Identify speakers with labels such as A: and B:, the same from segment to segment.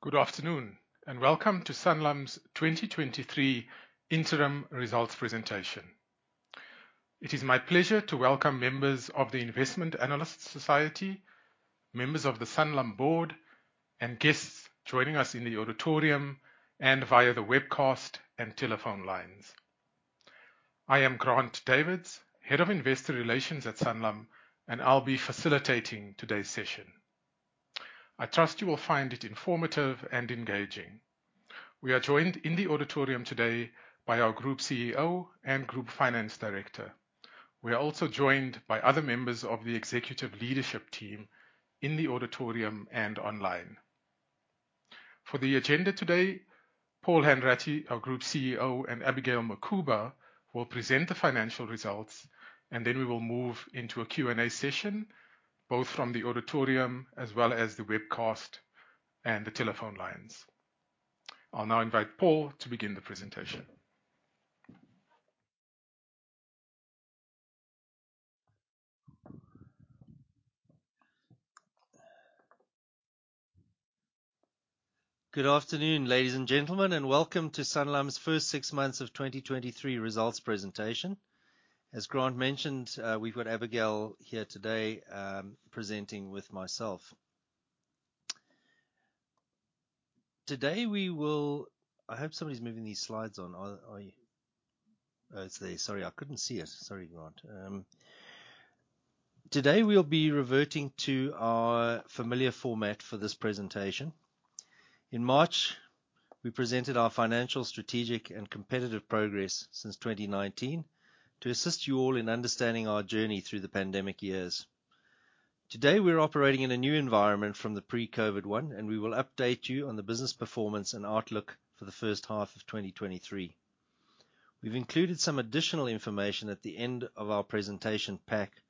A: Good afternoon, and welcome to Sanlam's 2023 interim results presentation. It is my pleasure to welcome members of the Investment Analysts Society, members of the Sanlam Board, and guests joining us in the auditorium and via the webcast and telephone lines. I am Grant Davids, Head of Investor Relations at Sanlam, and I'll be facilitating today's session. I trust you will find it informative and engaging. We are joined in the auditorium today by our Group CEO and Group Finance Director. We are also joined by other members of the executive leadership team in the auditorium and online. For the agenda today, Paul Hanratty, our Group CEO, and Abigail Mukhuba, will present the financial results, and then we will move into a Q&A session, both from the auditorium as well as the webcast and the telephone lines. I'll now invite Paul to begin the presentation.
B: Good afternoon, ladies and gentlemen, and welcome to Sanlam's first six months of 2023 results presentation. As Grant mentioned, we've got Abigail here today, presenting with myself. Today, we will... I hope somebody's moving these slides on. Are you? Oh, it's there. Sorry, I couldn't see it. Sorry, Grant. Today, we'll be reverting to our familiar format for this presentation. In March, we presented our financial, strategic, and competitive progress since 2019 to assist you all in understanding our journey through the pandemic years. Today, we're operating in a new environment from the pre-COVID one, and we will update you on the business performance and outlook for the first half of 2023. We've included some additional information at the end of our presentation pack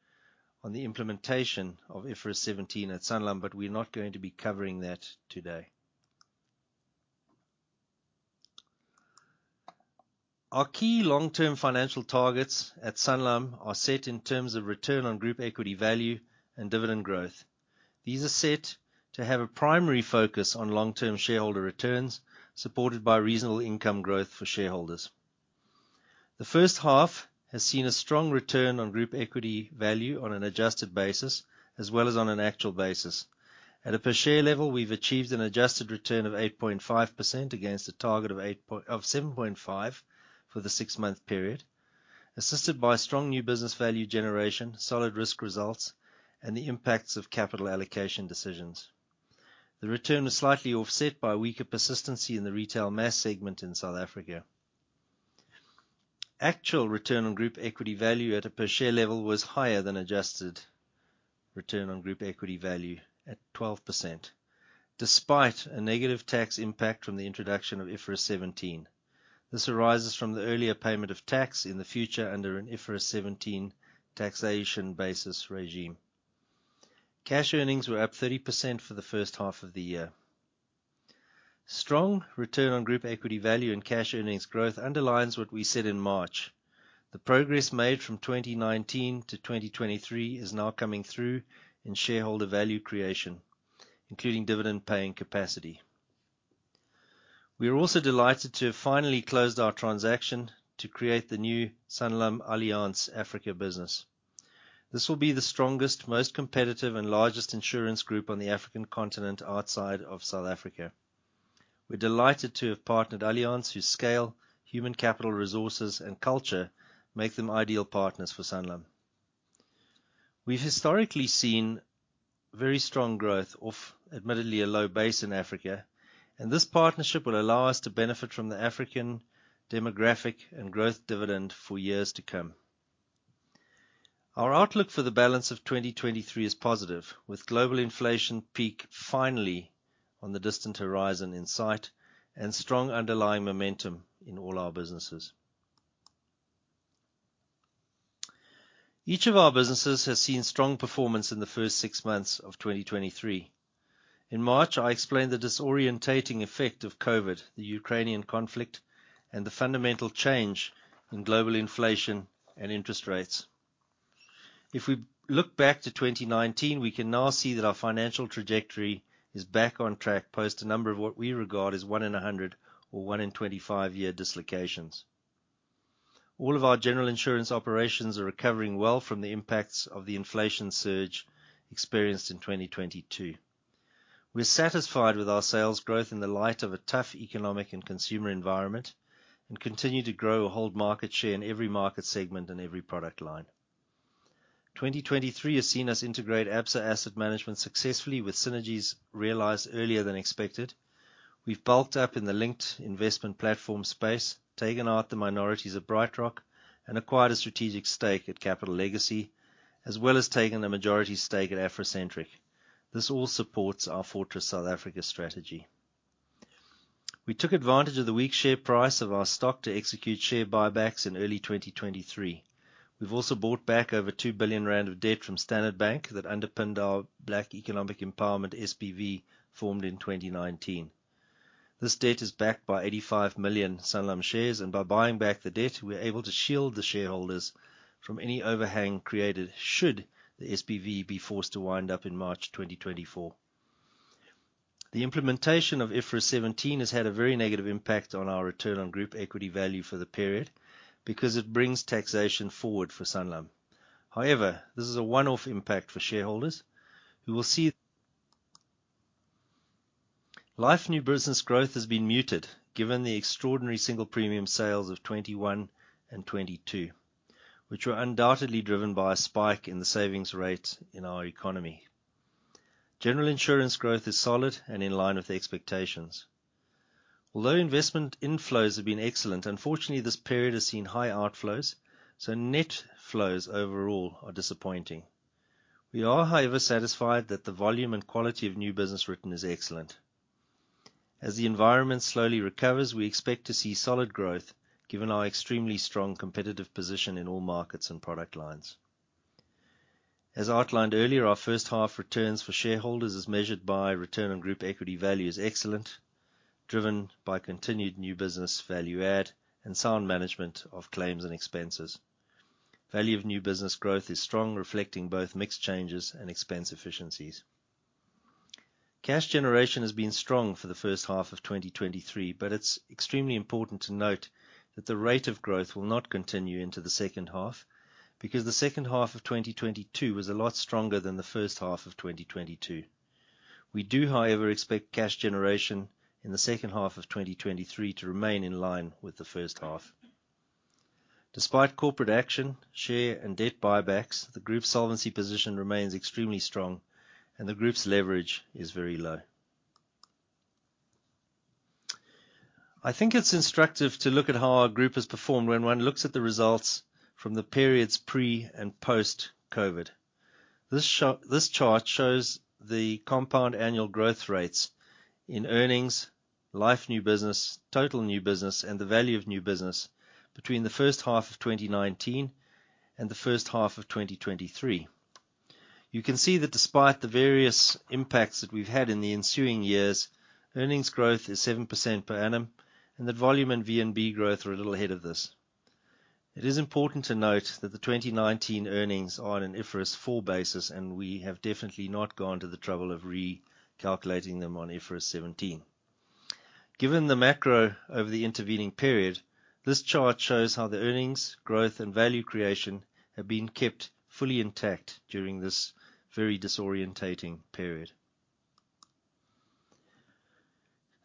B: on the implementation of IFRS 17 at Sanlam, but we're not going to be covering that today. Our key long-term financial targets at Sanlam are set in terms of Return on Group Equity Value and dividend growth. These are set to have a primary focus on long-term shareholder returns, supported by reasonable income growth for shareholders. The first half has seen a strong Return on Group Equity Value on an adjusted basis, as well as on an actual basis. At a per share level, we've achieved an adjusted return of 8.5% against a target of 7.5 for the six-month period, assisted by strong new business value generation, solid risk results, and the impacts of capital allocation decisions. The return was slightly offset by weaker persistency in the Retail Mass segment in South Africa. Actual return on group equity value at a per share level was higher than adjusted return on group equity value at 12%, despite a negative tax impact from the introduction of IFRS 17. This arises from the earlier payment of tax in the future under an IFRS 17 taxation basis regime. Cash earnings were up 30% for the first half of the year. Strong return on group equity value and cash earnings growth underlines what we said in March. The progress made from 2019 to 2023 is now coming through in shareholder value creation, including dividend-paying capacity. We are also delighted to have finally closed our transaction to create the new SanlamAllianz Africa business. This will be the strongest, most competitive, and largest insurance group on the African continent outside of South Africa. We're delighted to have partnered Allianz, whose scale, human capital, resources, and culture make them ideal partners for Sanlam. We've historically seen very strong growth of admittedly a low base in Africa, and this partnership will allow us to benefit from the African demographic and growth dividend for years to come. Our outlook for the balance of 2023 is positive, with global inflation peak finally on the distant horizon in sight and strong underlying momentum in all our businesses. Each of our businesses has seen strong performance in the first six months of 2023. In March, I explained the disorienting effect of COVID, the Ukrainian conflict, and the fundamental change in global inflation and interest rates. If we look back to 2019, we can now see that our financial trajectory is back on track, post a number of what we regard as 1 in 100 or 1 in 25-year dislocations. All of our general insurance operations are recovering well from the impacts of the inflation surge experienced in 2022. We're satisfied with our sales growth in the light of a tough economic and consumer environment, and continue to grow or hold market share in every market segment and every product line. 2023 has seen us integrate Absa Asset Management successfully, with synergies realized earlier than expected. We've bulked up in the linked investment platform space, taken out the minorities at BrightRock, and acquired a strategic stake at Capital Legacy, as well as taking a majority stake at AfroCentric. This all supports our fortress South Africa strategy. We took advantage of the weak share price of our stock to execute share buybacks in early 2023. We've also bought back over 2 billion rand of debt from Standard Bank that underpinned our BEE SPV, formed in 2019. This debt is backed by 85 million Sanlam shares, and by buying back the debt, we're able to shield the shareholders from any overhang created should the SPV be forced to wind up in March 2024. The implementation of IFRS 17 has had a very negative impact on our Return on Group Equity Value for the period, because it brings taxation forward for Sanlam. However, this is a one-off impact for shareholders who will see. Life new business growth has been muted, given the extraordinary single premium sales of 2021 and 2022, which were undoubtedly driven by a spike in the savings rate in our economy. General insurance growth is solid and in line with the expectations. Although investment inflows have been excellent, unfortunately, this period has seen high outflows, so net flows overall are disappointing. We are, however, satisfied that the volume and quality of new business written is excellent. As the environment slowly recovers, we expect to see solid growth, given our extremely strong competitive position in all markets and product lines. As outlined earlier, our first half returns for shareholders, as measured by Return on Group Equity Value, is excellent, driven by continued new business value add and sound management of claims and expenses. Value of New Business growth is strong, reflecting both mix changes and expense efficiencies. Cash generation has been strong for the first half of 2023, but it's extremely important to note that the rate of growth will not continue into the second half, because the second half of 2022 was a lot stronger than the first half of 2022. We do, however, expect cash generation in the second half of 2023 to remain in line with the first half. Despite corporate action, share and debt buybacks, the group's solvency position remains extremely strong, and the group's leverage is very low. I think it's instructive to look at how our group has performed when one looks at the results from the periods pre and post-COVID. This chart shows the compound annual growth rates in earnings, life new business, total new business, and the value of new business between the first half of 2019 and the first half of 2023. You can see that despite the various impacts that we've had in the ensuing years, earnings growth is 7% per annum, and that volume and VNB growth are a little ahead of this. It is important to note that the 2019 earnings are on an IFRS 4 basis, and we have definitely not gone to the trouble of re-calculating them on IFRS 17. Given the macro over the intervening period, this chart shows how the earnings, growth, and value creation have been kept fully intact during this very disorientating period.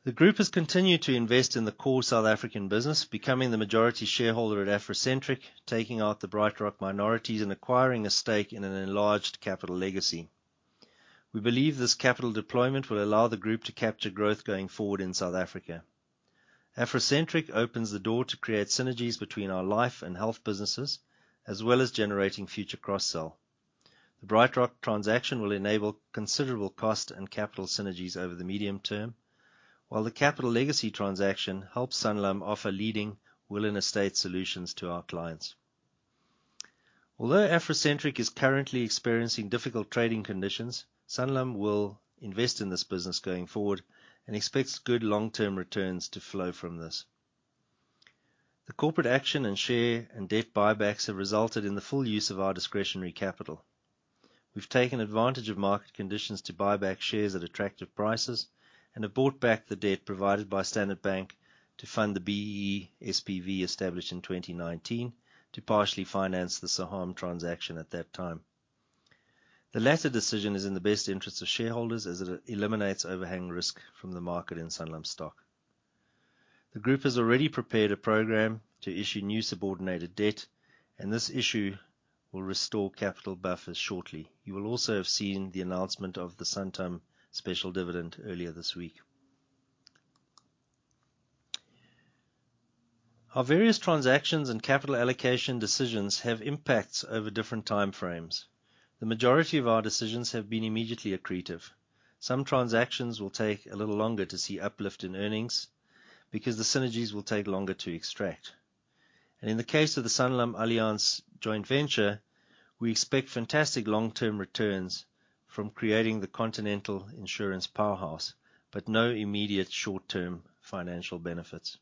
B: The group has continued to invest in the core South African business, becoming the majority shareholder at AfroCentric, taking out the BrightRock minorities, and acquiring a stake in an enlarged Capital Legacy. We believe this capital deployment will allow the group to capture growth going forward in South Africa. AfroCentric opens the door to create synergies between our life and health businesses, as well as generating future cross-sell. The BrightRock transaction will enable considerable cost and capital synergies over the medium term, while the Capital Legacy transaction helps Sanlam offer leading will and estate solutions to our clients. Although AfroCentric is currently experiencing difficult trading conditions, Sanlam will invest in this business going forward and expects good long-term returns to flow from this. The corporate action in share and debt buybacks have resulted in the full use of our discretionary capital. We've taken advantage of market conditions to buy back shares at attractive prices and have bought back the debt provided by Standard Bank to fund the BEE SPV, established in 2019, to partially finance the Saham transaction at that time. The latter decision is in the best interest of shareholders as it eliminates overhanging risk from the market in Sanlam stock. The group has already prepared a program to issue new subordinated debt, and this issue will restore capital buffers shortly. You will also have seen the announcement of the Santam special dividend earlier this week. Our various transactions and capital allocation decisions have impacts over different time frames. The majority of our decisions have been immediately accretive. Some transactions will take a little longer to see uplift in earnings because the synergies will take longer to extract. In the case of the SanlamAllianz joint venture, we expect fantastic long-term returns from creating the continental insurance powerhouse, but no immediate short-term financial benefits.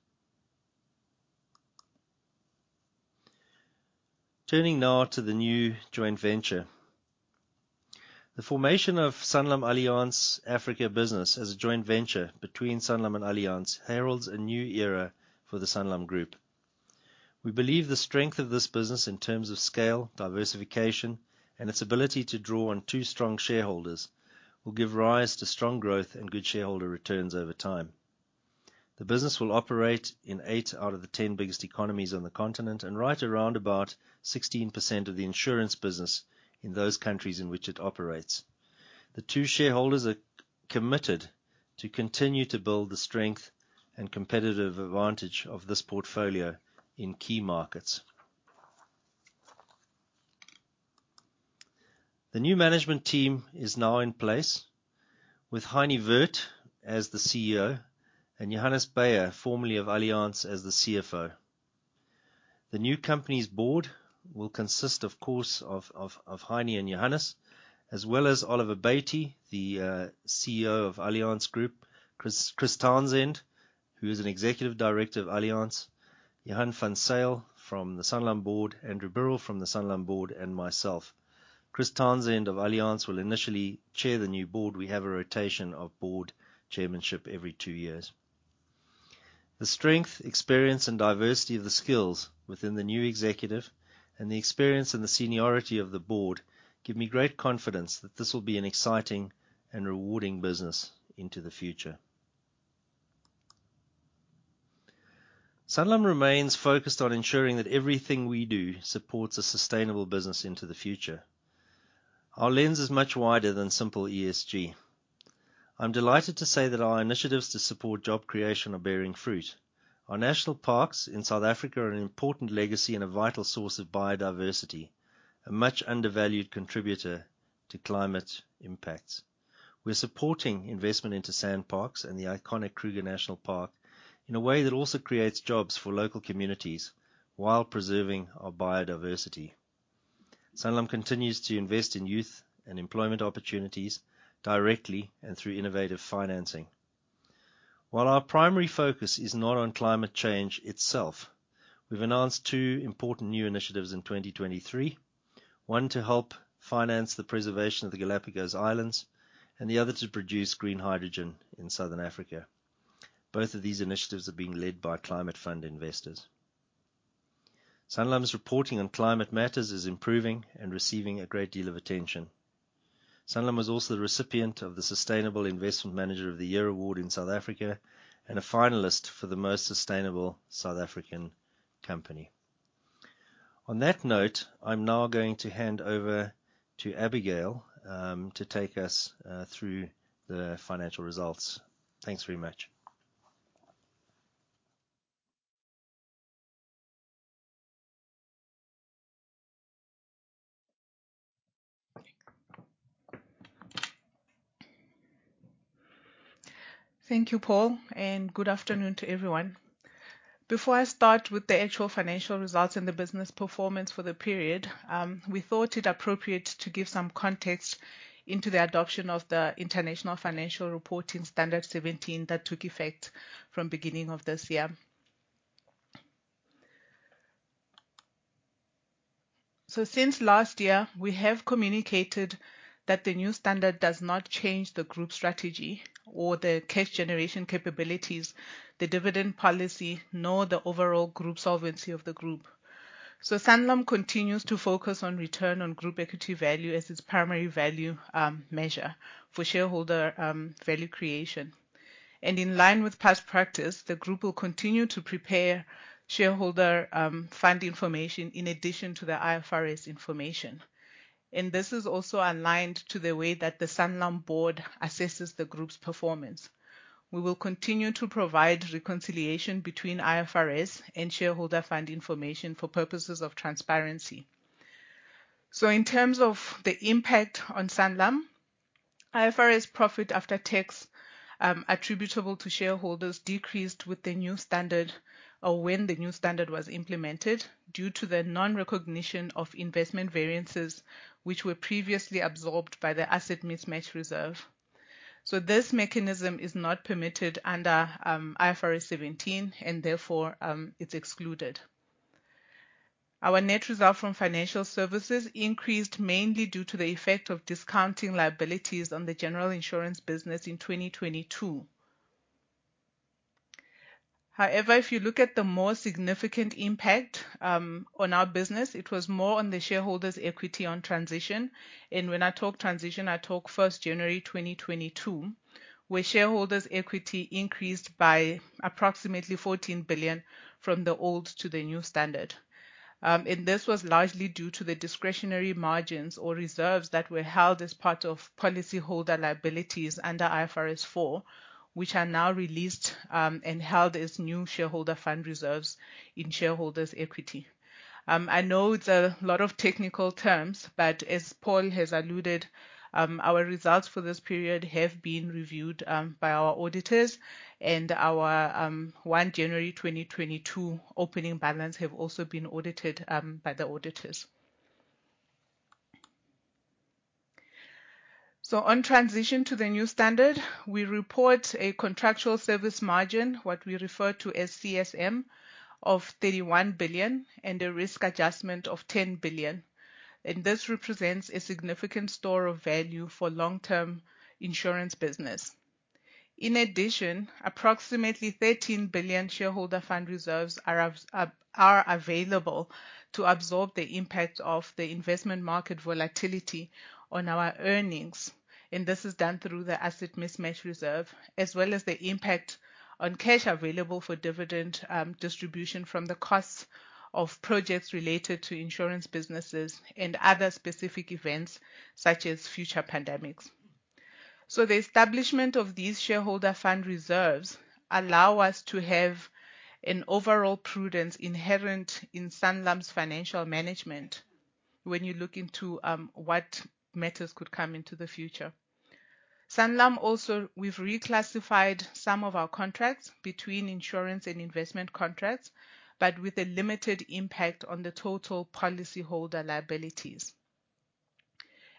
B: Turning now to the new joint venture. The formation of SanlamAllianz Africa business as a joint venture between Sanlam and Allianz heralds a new era for the Sanlam Group. We believe the strength of this business in terms of scale, diversification, and its ability to draw on two strong shareholders, will give rise to strong growth and good shareholder returns over time. The business will operate in 8 out of the 10 biggest economies on the continent, and right around about 16% of the insurance business in those countries in which it operates. The two shareholders are committed to continue to build the strength and competitive advantage of this portfolio in key markets. The new management team is now in place, with Heinie Werth as the CEO and Johannes Beier, formerly of Allianz, as the CFO. The new company's board will consist, of course, of Heinie and Johannes, as well as Oliver Bäte, the CEO of Allianz Group. Chris Townsend, who is an executive director of Allianz, Johan van Zyl from the Sanlam board, Andrew Birrell from the Sanlam board, and myself. Chris Townsend of Allianz will initially chair the new board. We have a rotation of board chairmanship every two years. The strength, experience, and diversity of the skills within the new executive, and the experience and the seniority of the board, give me great confidence that this will be an exciting and rewarding business into the future. Sanlam remains focused on ensuring that everything we do supports a sustainable business into the future. Our lens is much wider than simple ESG. I'm delighted to say that our initiatives to support job creation are bearing fruit. Our national parks in South Africa are an important legacy and a vital source of biodiversity, a much undervalued contributor to climate impacts. We're supporting investment into SANParks and the iconic Kruger National Park in a way that also creates jobs for local communities while preserving our biodiversity. Sanlam continues to invest in youth and employment opportunities directly and through innovative financing. While our primary focus is not on climate change itself, we've announced two important new initiatives in 2023. One, to help finance the preservation of the Galápagos Islands, and the other to produce green hydrogen in Southern Africa. Both of these initiatives are being led by climate fund investors. Sanlam's reporting on climate matters is improving and receiving a great deal of attention. Sanlam was also the recipient of the Sustainable Investment Manager of the Year award in South Africa, and a finalist for the Most Sustainable South African Company. On that note, I'm now going to hand over to Abigail, to take us, through the financial results. Thanks very much.
C: Thank you, Paul, and good afternoon to everyone. Before I start with the actual financial results and the business performance for the period, we thought it appropriate to give some context into the adoption of the International Financial Reporting Standard 17 that took effect from beginning of this year. So since last year, we have communicated that the new standard does not change the group strategy or the cash generation capabilities, the dividend policy, nor the overall group solvency of the group. So Sanlam continues to focus on return on group equity value as its primary value, measure for shareholder, value creation. And in line with past practice, the group will continue to prepare shareholder, fund information in addition to the IFRS information, and this is also aligned to the way that the Sanlam Board assesses the group's performance. We will continue to provide reconciliation between IFRS and shareholder fund information for purposes of transparency. So in terms of the impact on Sanlam, IFRS profit after tax, attributable to shareholders, decreased with the new standard or when the new standard was implemented, due to the non-recognition of investment variances which were previously absorbed by the Asset Mismatch Reserve. So this mechanism is not permitted under IFRS 17, and therefore, it's excluded. Our net result from financial services increased mainly due to the effect of discounting liabilities on the general insurance business in 2022. However, if you look at the more significant impact, on our business, it was more on the shareholders' equity on transition. And when I talk transition, I talk January 1, 2022, where shareholders' equity increased by approximately 14 billion from the old to the new standard. And this was largely due to the discretionary margins or reserves that were held as part of policyholder liabilities under IFRS 4, which are now released, and held as new shareholder fund reserves in shareholders' equity. I know it's a lot of technical terms, but as Paul has alluded, our results for this period have been reviewed by our auditors and our 1 January 2022 opening balance have also been audited by the auditors. On transition to the new standard, we report a contractual service margin, what we refer to as CSM, of 31 billion and a risk adjustment of 10 billion, and this represents a significant store of value for long-term insurance business. In addition, approximately 13 billion shareholder fund reserves are available to absorb the impact of the investment market volatility on our earnings, and this is done through the Asset Mismatch Reserve, as well as the impact on cash available for dividend distribution from the costs of projects related to insurance businesses, and other specific events, such as future pandemics. So the establishment of these shareholder fund reserves allow us to have an overall prudence inherent in Sanlam's financial management when you look into what matters could come into the future. Sanlam also, we've reclassified some of our contracts between insurance and investment contracts, but with a limited impact on the total policyholder liabilities.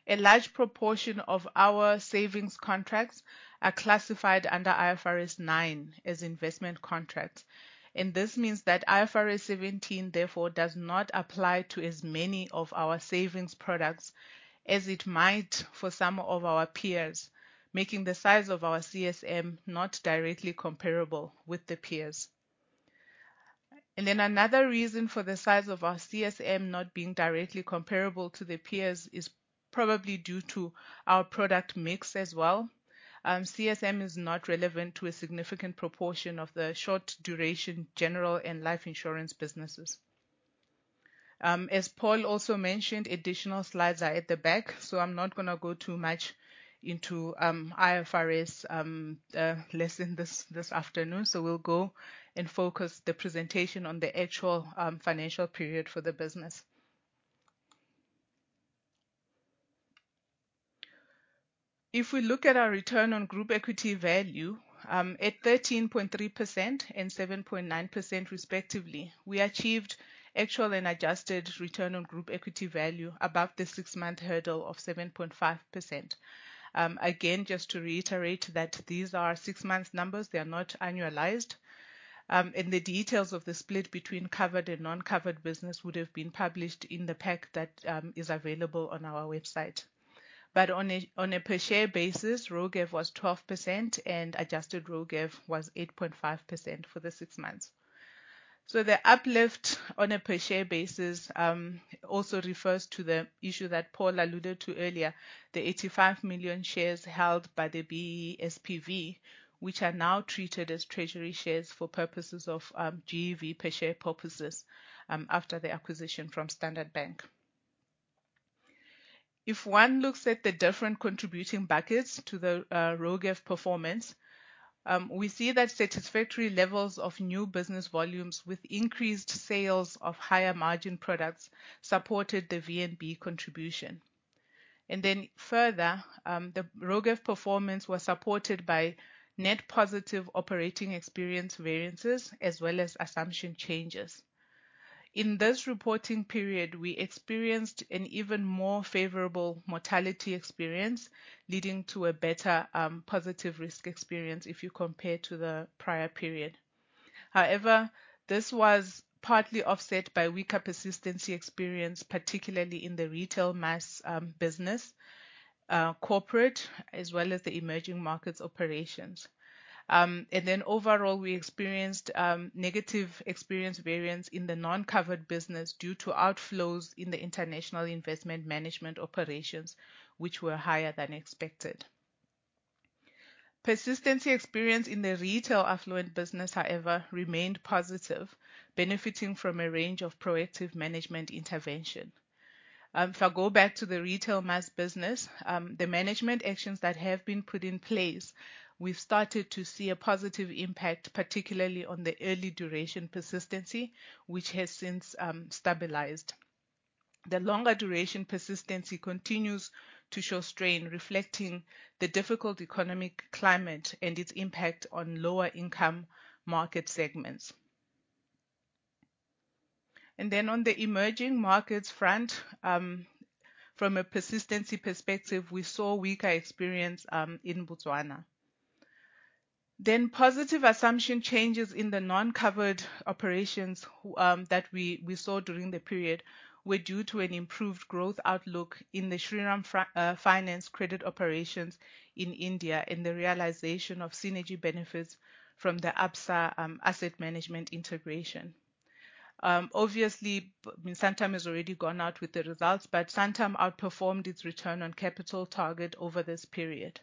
C: A large proportion of our savings contracts are classified under IFRS 9 as investment contracts, and this means that IFRS 17, therefore, does not apply to as many of our savings products as it might for some of our peers, making the size of our CSM not directly comparable with the peers. Then another reason for the size of our CSM not being directly comparable to the peers is probably due to our product mix as well. CSM is not relevant to a significant proportion of the short duration general and life insurance businesses. As Paul also mentioned, additional slides are at the back, so I'm not gonna go too much into IFRS lesson this afternoon. We'll go and focus the presentation on the actual financial period for the business. If we look at our Return on Group Equity Value at 13.3% and 7.9% respectively, we achieved actual and adjusted Return on Group Equity Value above the six-month hurdle of 7.5%. Again, just to reiterate that these are six months numbers, they are not annualized. The details of the split between covered and non-covered business would have been published in the pack that is available on our website. But on a per share basis, ROGEV was 12% and adjusted ROGEV was 8.5% for the six months. So the uplift on a per share basis also refers to the issue that Paul alluded to earlier, the 85 million shares held by the BEE SPV, which are now treated as treasury shares for purposes of GEV per share purposes, after the acquisition from Standard Bank. If one looks at the different contributing buckets to the ROGEV performance, we see that satisfactory levels of new business volumes with increased sales of higher margin products supported the VNB contribution. Then further, the ROGEV performance was supported by net positive operating experience variances as well as assumption changes. In this reporting period, we experienced an even more favorable mortality experience, leading to a better positive risk experience if you compare to the prior period. However, this was partly offset by weaker persistency experience, particularly in the Retail Mass business, corporate, as well as the emerging markets operations. And then overall, we experienced negative experience variance in the non-covered business due to outflows in the international investment management operations, which were higher than expected. Persistency experience in the Retail Affluent business, however, remained positive, benefiting from a range of proactive management intervention. If I go back to the Retail Mass business, the management actions that have been put in place, we've started to see a positive impact, particularly on the early duration persistency, which has since stabilized. The longer duration persistency continues to show strain, reflecting the difficult economic climate and its impact on lower income market segments. And then on the emerging markets front, from a persistency perspective, we saw weaker experience in Botswana. Positive assumption changes in the non-covered operations that we saw during the period were due to an improved growth outlook in the Shriram Finance credit operations in India, and the realization of synergy benefits from the Absa asset management integration. Obviously, Santam has already gone out with the results, but Santam outperformed its return on capital target over this period.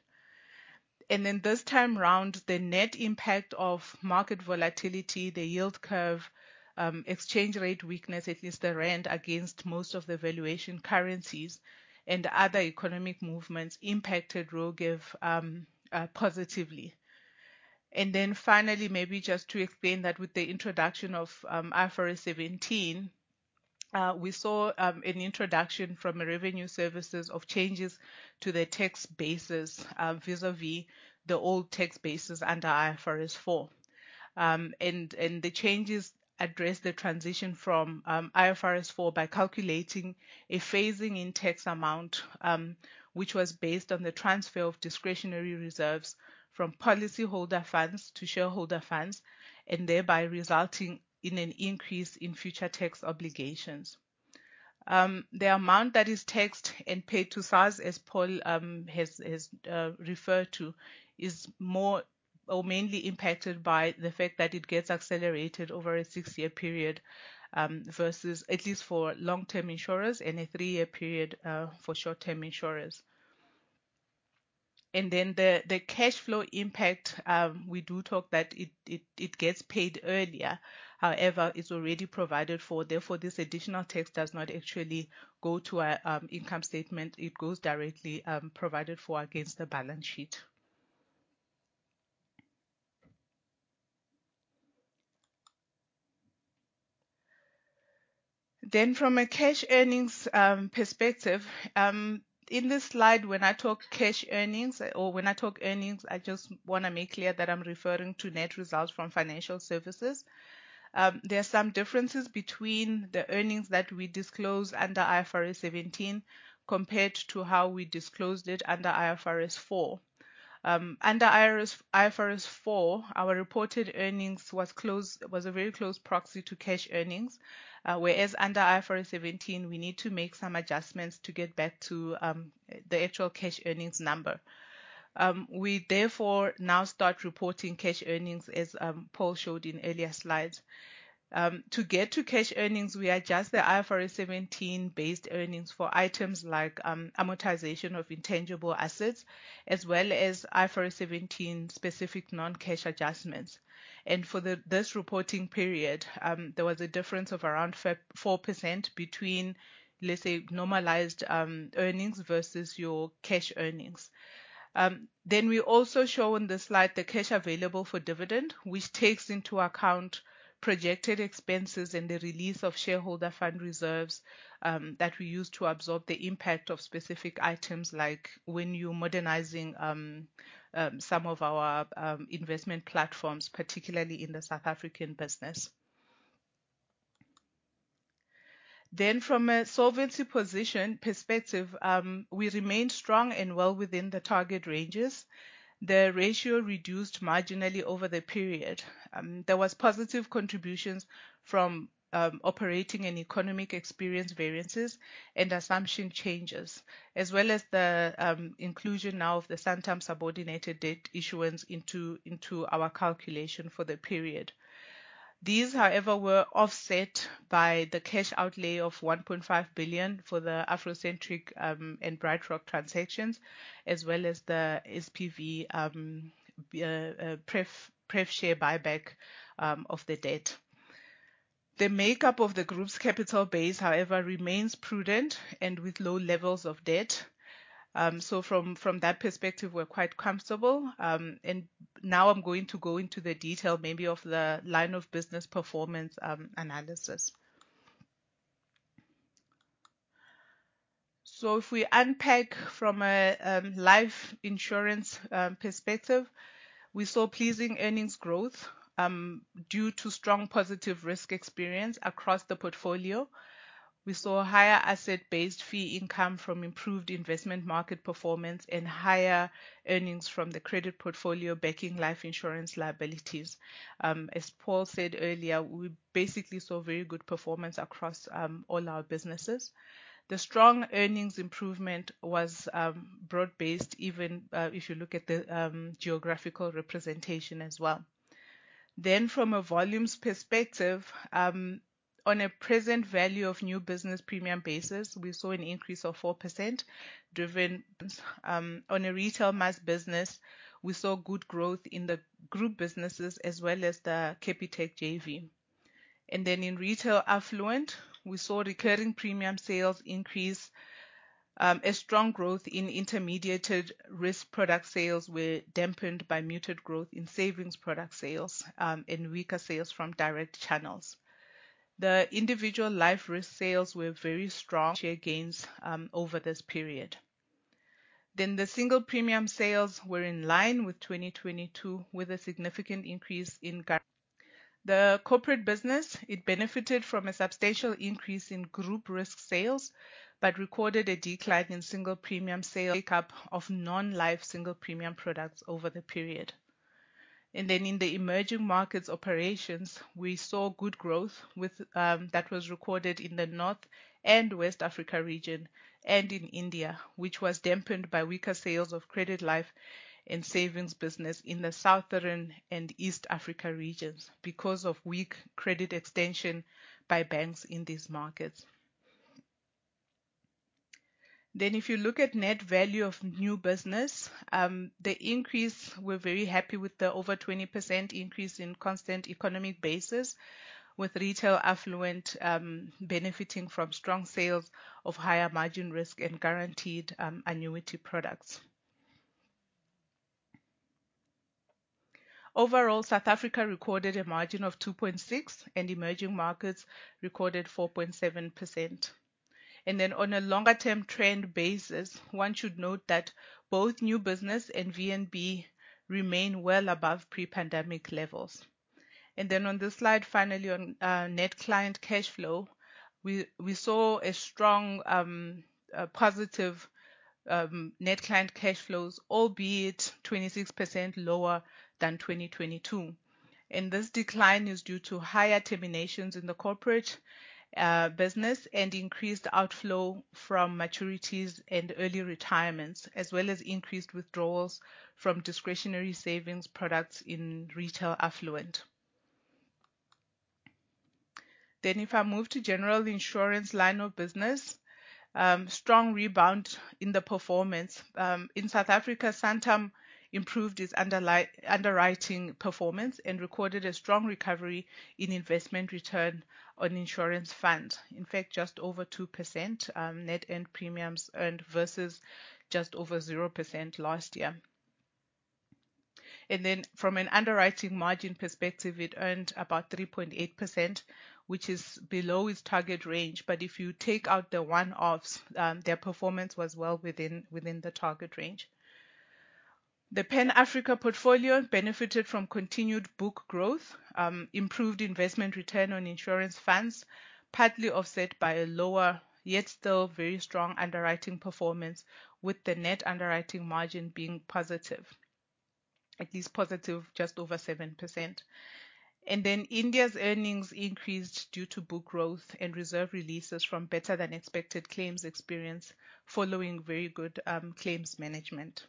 C: This time round, the net impact of market volatility, the yield curve, exchange rate weakness, at least the rand against most of the valuation currencies and other economic movements impacted ROGEV positively. Finally, maybe just to explain that with the introduction of IFRS 17, we saw an introduction from revenue services of changes to the tax basis vis-à-vis the old tax basis under IFRS 4. The changes address the transition from IFRS 4 by calculating a phasing in tax amount, which was based on the transfer of discretionary reserves from policyholder funds to shareholder funds, and thereby resulting in an increase in future tax obligations. The amount that is taxed and paid to SARS, as Paul has referred to, is more or mainly impacted by the fact that it gets accelerated over a six-year period, versus at least for long-term insurers, and a three-year period, for short-term insurers. And then the cash flow impact, we do talk that it gets paid earlier. However, it's already provided for, therefore, this additional tax does not actually go to our income statement. It goes directly, provided for against the balance sheet. Then from a cash earnings perspective, in this slide, when I talk cash earnings or when I talk earnings, I just want to make clear that I'm referring to net results from financial services. There are some differences between the earnings that we disclose under IFRS 17 compared to how we disclosed it under IFRS 4. Under IFRS 4, our reported earnings was close, was a very close proxy to cash earnings. Whereas under IFRS 17, we need to make some adjustments to get back to the actual cash earnings number. We therefore now start reporting cash earnings, as Paul showed in earlier slides. To get to cash earnings, we adjust the IFRS 17-based earnings for items like amortization of intangible assets, as well as IFRS 17 specific non-cash adjustments. For this reporting period, there was a difference of around 4% between, let's say, normalized, earnings versus your cash earnings. We also show on the slide the cash available for dividend, which takes into account projected expenses and the release of shareholder fund reserves, that we use to absorb the impact of specific items, like when you're modernizing, some of our investment platforms, particularly in the South African business. From a solvency position perspective, we remained strong and well within the target ranges. The ratio reduced marginally over the period. There was positive contributions from, operating and economic experience variances and assumption changes, as well as the, inclusion now of the Santam subordinated debt issuance into our calculation for the period. These, however, were offset by the cash outlay of 1.5 billion for the AfroCentric and BrightRock transactions, as well as the SPV pref share buyback of the debt. The makeup of the group's capital base, however, remains prudent and with low levels of debt. So from that perspective, we're quite comfortable. And now I'm going to go into the detail, maybe of the line of business performance analysis. So if we unpack from a life insurance perspective, we saw pleasing earnings growth due to strong positive risk experience across the portfolio. We saw higher asset-based fee income from improved investment market performance and higher earnings from the credit portfolio backing life insurance liabilities. As Paul said earlier, we basically saw very good performance across all our businesses. The strong earnings improvement was broad-based, even if you look at the geographical representation as well. Then from a volumes perspective, on a present value of new business premium basis, we saw an increase of 4% driven. On a retail mass business, we saw good growth in the group businesses as well as the Capitec JV. And then in retail affluent, we saw recurring premium sales increase. A strong growth in intermediated risk product sales were dampened by muted growth in savings product sales, and weaker sales from direct channels. The individual life risk sales were very strong share gains over this period. Then the single premium sales were in line with 2022, with a significant increase in GAR. The corporate business benefited from a substantial increase in group risk sales, but recorded a decline in single premium sale makeup of non-life single premium products over the period. In the emerging markets operations, we saw good growth that was recorded in the North and West Africa region and in India, which was dampened by weaker sales of credit, life, and savings business in the Southern and East Africa regions because of weak credit extension by banks in these markets. If you look at net value of new business, the increase, we're very happy with the over 20% increase in constant economic basis, with retail affluent benefiting from strong sales of higher margin risk and guaranteed annuity products. Overall, South Africa recorded a margin of 2.6%, and emerging markets recorded 4.7%. On a longer-term trend basis, one should note that both new business and VNB remain well above pre-pandemic levels. On this slide, finally, on net client cash flow, we saw a strong positive net client cash flows, albeit 26% lower than 2022. This decline is due to higher terminations in the corporate business and increased outflow from maturities and early retirements, as well as increased withdrawals from discretionary savings products in Retail Affluent. If I move to general insurance line of business, strong rebound in the performance. In South Africa, Santam improved its underwriting performance and recorded a strong recovery in investment return on insurance funds. In fact, just over 2% net and premiums earned versus just over 0% last year. Then from an underwriting margin perspective, it earned about 3.8%, which is below its target range. But if you take out the one-offs, their performance was well within the target range. The Pan Africa portfolio benefited from continued book growth, improved investment return on insurance funds, partly offset by a lower, yet still very strong underwriting performance, with the net underwriting margin being positive. At least positive just over 7%. Then India's earnings increased due to book growth and reserve releases from better than expected claims experience following very good claims management.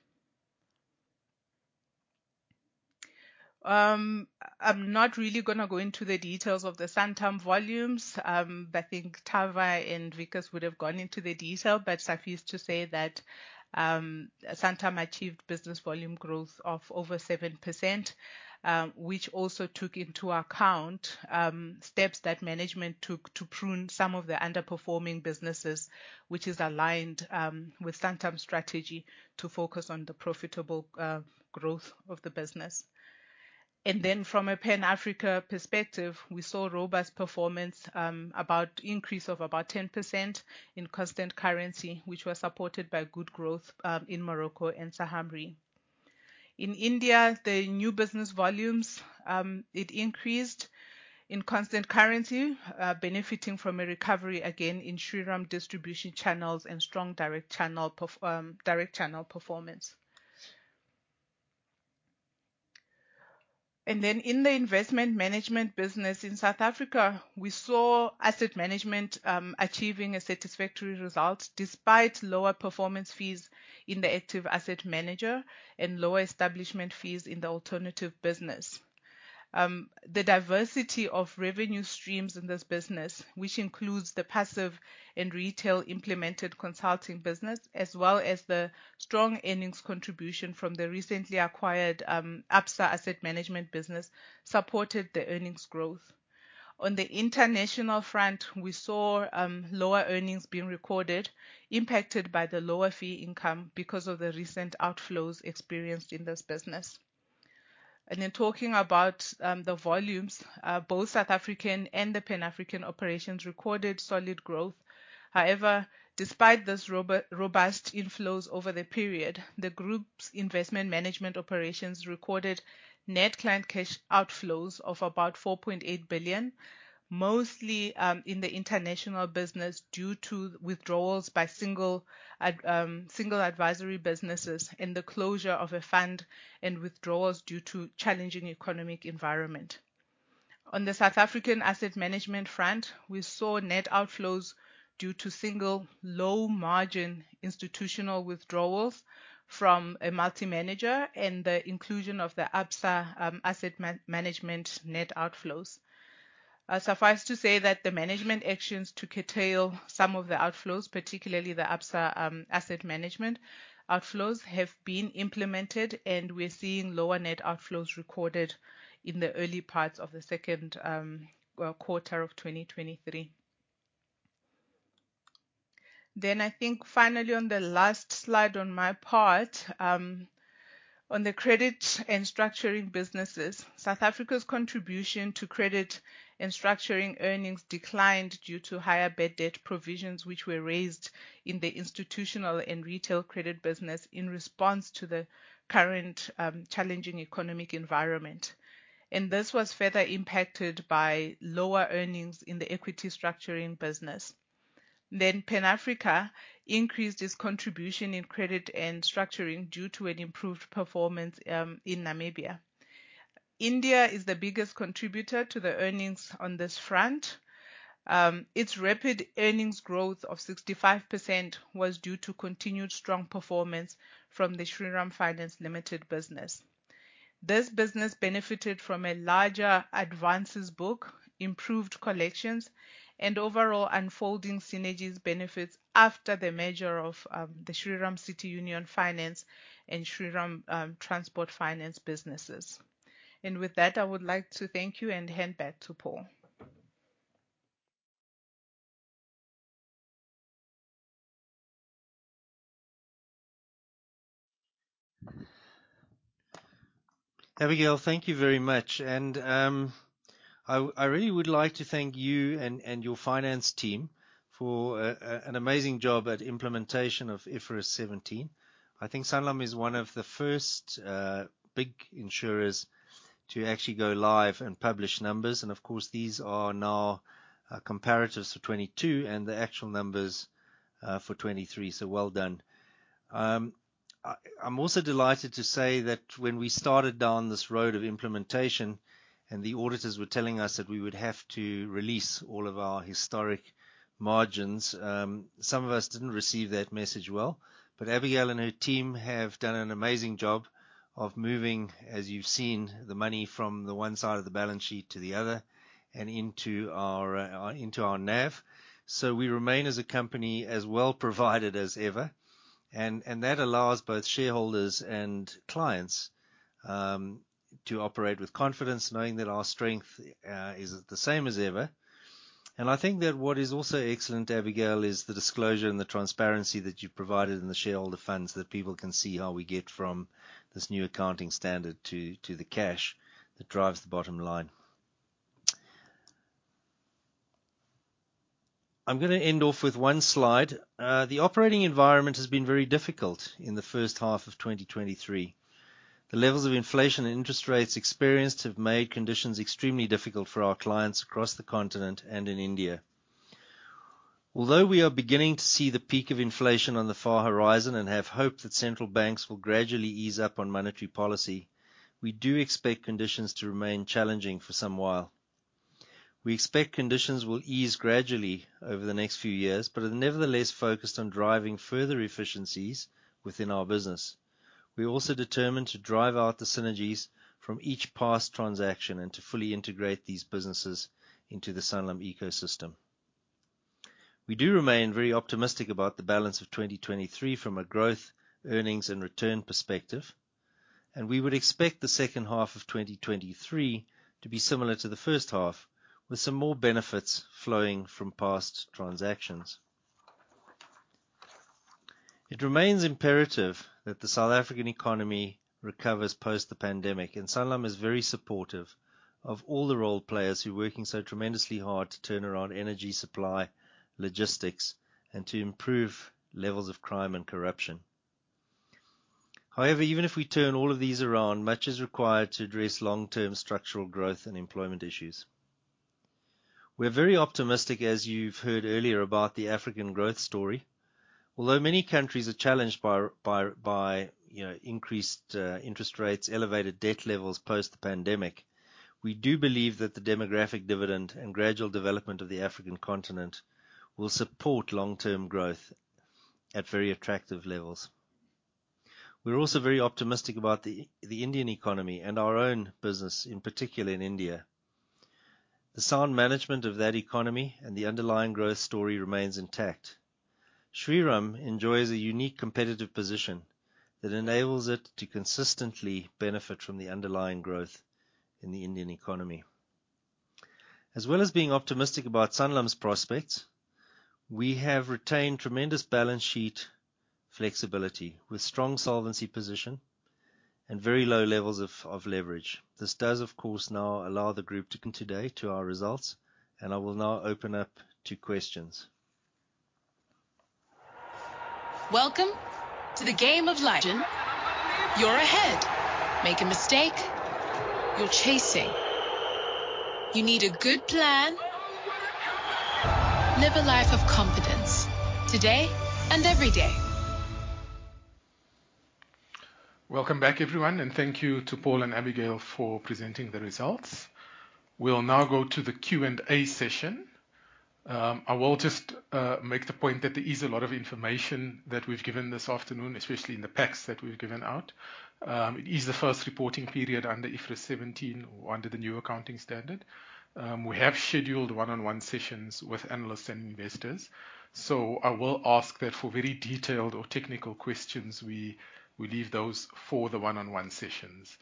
C: I'm not really gonna go into the details of the Santam volumes. I think Tava and Wikus would have gone into the detail, but suffice to say that, Santam achieved business volume growth of over 7%. Which also took into account steps that management took to prune some of the underperforming businesses, which is aligned with Santam's strategy to focus on the profitable growth of the business. And then from a Pan Africa perspective, we saw robust performance, about increase of about 10% in constant currency, which was supported by good growth in Morocco and Saham Re. In India, the new business volumes, it increased in constant currency, benefiting from a recovery again in Shriram distribution channels and strong direct channel performance. And then in the investment management business in South Africa, we saw asset management achieving a satisfactory result despite lower performance fees in the active asset manager and lower establishment fees in the alternative business. The diversity of revenue streams in this business, which includes the passive and retail implemented consulting business, as well as the strong earnings contribution from the recently acquired Absa Asset Management business, supported the earnings growth. On the international front, we saw lower earnings being recorded, impacted by the lower fee income because of the recent outflows experienced in this business. And in talking about the volumes, both South African and the Pan African operations recorded solid growth. However, despite this robust inflows over the period, the group's investment management operations recorded net client cash outflows of about 4.8 billion, mostly in the international business, due to withdrawals by single advisory businesses and the closure of a fund, and withdrawals due to challenging economic environment. On the South African asset management front, we saw net outflows due to single low margin institutional withdrawals from a multi-manager and the inclusion of the Absa asset management net outflows. Suffice to say that the management actions to curtail some of the outflows, particularly the Absa asset management outflows, have been implemented, and we're seeing lower net outflows recorded in the early parts of the second quarter of 2023. Then I think finally on the last slide on my part, on the credit and structuring businesses. South Africa's contribution to credit and structuring earnings declined due to higher bad debt provisions, which were raised in the institutional and retail credit business in response to the current challenging economic environment. This was further impacted by lower earnings in the equity structuring business. Then Pan Africa increased its contribution in credit and structuring due to an improved performance, in Namibia. India is the biggest contributor to the earnings on this front. Its rapid earnings growth of 65% was due to continued strong performance from the Shriram Finance Limited business. This business benefited from a larger advances book, improved collections, and overall unfolding synergies benefits after the merger of, the Shriram City Union Finance and Shriram Transport Finance businesses. And with that, I would like to thank you and hand back to Paul.
B: Abigail, thank you very much. I really would like to thank you and your finance team for an amazing job at implementation of IFRS 17. I think Sanlam is one of the first big insurers to actually go live and publish numbers. Of course, these are now comparatives for 2022 and the actual numbers for 2023. Well done. I'm also delighted to say that when we started down this road of implementation, and the auditors were telling us that we would have to release all of our historic margins, some of us didn't receive that message well. Abigail and her team have done an amazing job of moving, as you've seen, the money from the one side of the balance sheet to the other and into our NAV. So we remain as a company, as well provided as ever, and that allows both shareholders and clients to operate with confidence, knowing that our strength is the same as ever. And I think that what is also excellent, Abigail, is the disclosure and the transparency that you've provided in the shareholder funds, that people can see how we get from this new accounting standard to the cash that drives the bottom line. I'm gonna end off with one slide. The operating environment has been very difficult in the first half of 2023. The levels of inflation and interest rates experienced have made conditions extremely difficult for our clients across the continent and in India. Although we are beginning to see the peak of inflation on the far horizon and have hope that central banks will gradually ease up on monetary policy, we do expect conditions to remain challenging for some while. We expect conditions will ease gradually over the next few years, but are nevertheless focused on driving further efficiencies within our business. We are also determined to drive out the synergies from each past transaction and to fully integrate these businesses into the Sanlam ecosystem. We do remain very optimistic about the balance of 2023 from a growth, earnings, and return perspective, and we would expect the second half of 2023 to be similar to the first half, with some more benefits flowing from past transactions. It remains imperative that the South African economy recovers post the pandemic, and Sanlam is very supportive of all the role players who are working so tremendously hard to turn around energy supply, logistics, and to improve levels of crime and corruption. However, even if we turn all of these around, much is required to address long-term structural growth and employment issues. We're very optimistic, as you've heard earlier, about the African growth story. Although many countries are challenged by you know, increased interest rates, elevated debt levels post the pandemic, we do believe that the demographic dividend and gradual development of the African continent will support long-term growth at very attractive levels. We're also very optimistic about the Indian economy and our own business, in particular in India. The sound management of that economy and the underlying growth story remains intact. Shriram enjoys a unique competitive position that enables it to consistently benefit from the underlying growth in the Indian economy. As well as being optimistic about Sanlam's prospects, we have retained tremendous balance sheet flexibility, with strong solvency position and very low levels of leverage. This does, of course, now allow the group to come today to our results, and I will now open up to questions.
D: Welcome to the game of life. You're ahead. Make a mistake, you're chasing. You need a good plan. Live a life of confidence, today and every day.
A: Welcome back, everyone, and thank you to Paul and Abigail for presenting the results. We'll now go to the Q&A session. I will just make the point that there is a lot of information that we've given this afternoon, especially in the packs that we've given out. It is the first reporting period under IFRS 17 or under the new accounting standard. We have scheduled one-on-one sessions with analysts and investors. So I will ask that for very detailed or technical questions, we leave those for the one-on-one sessions.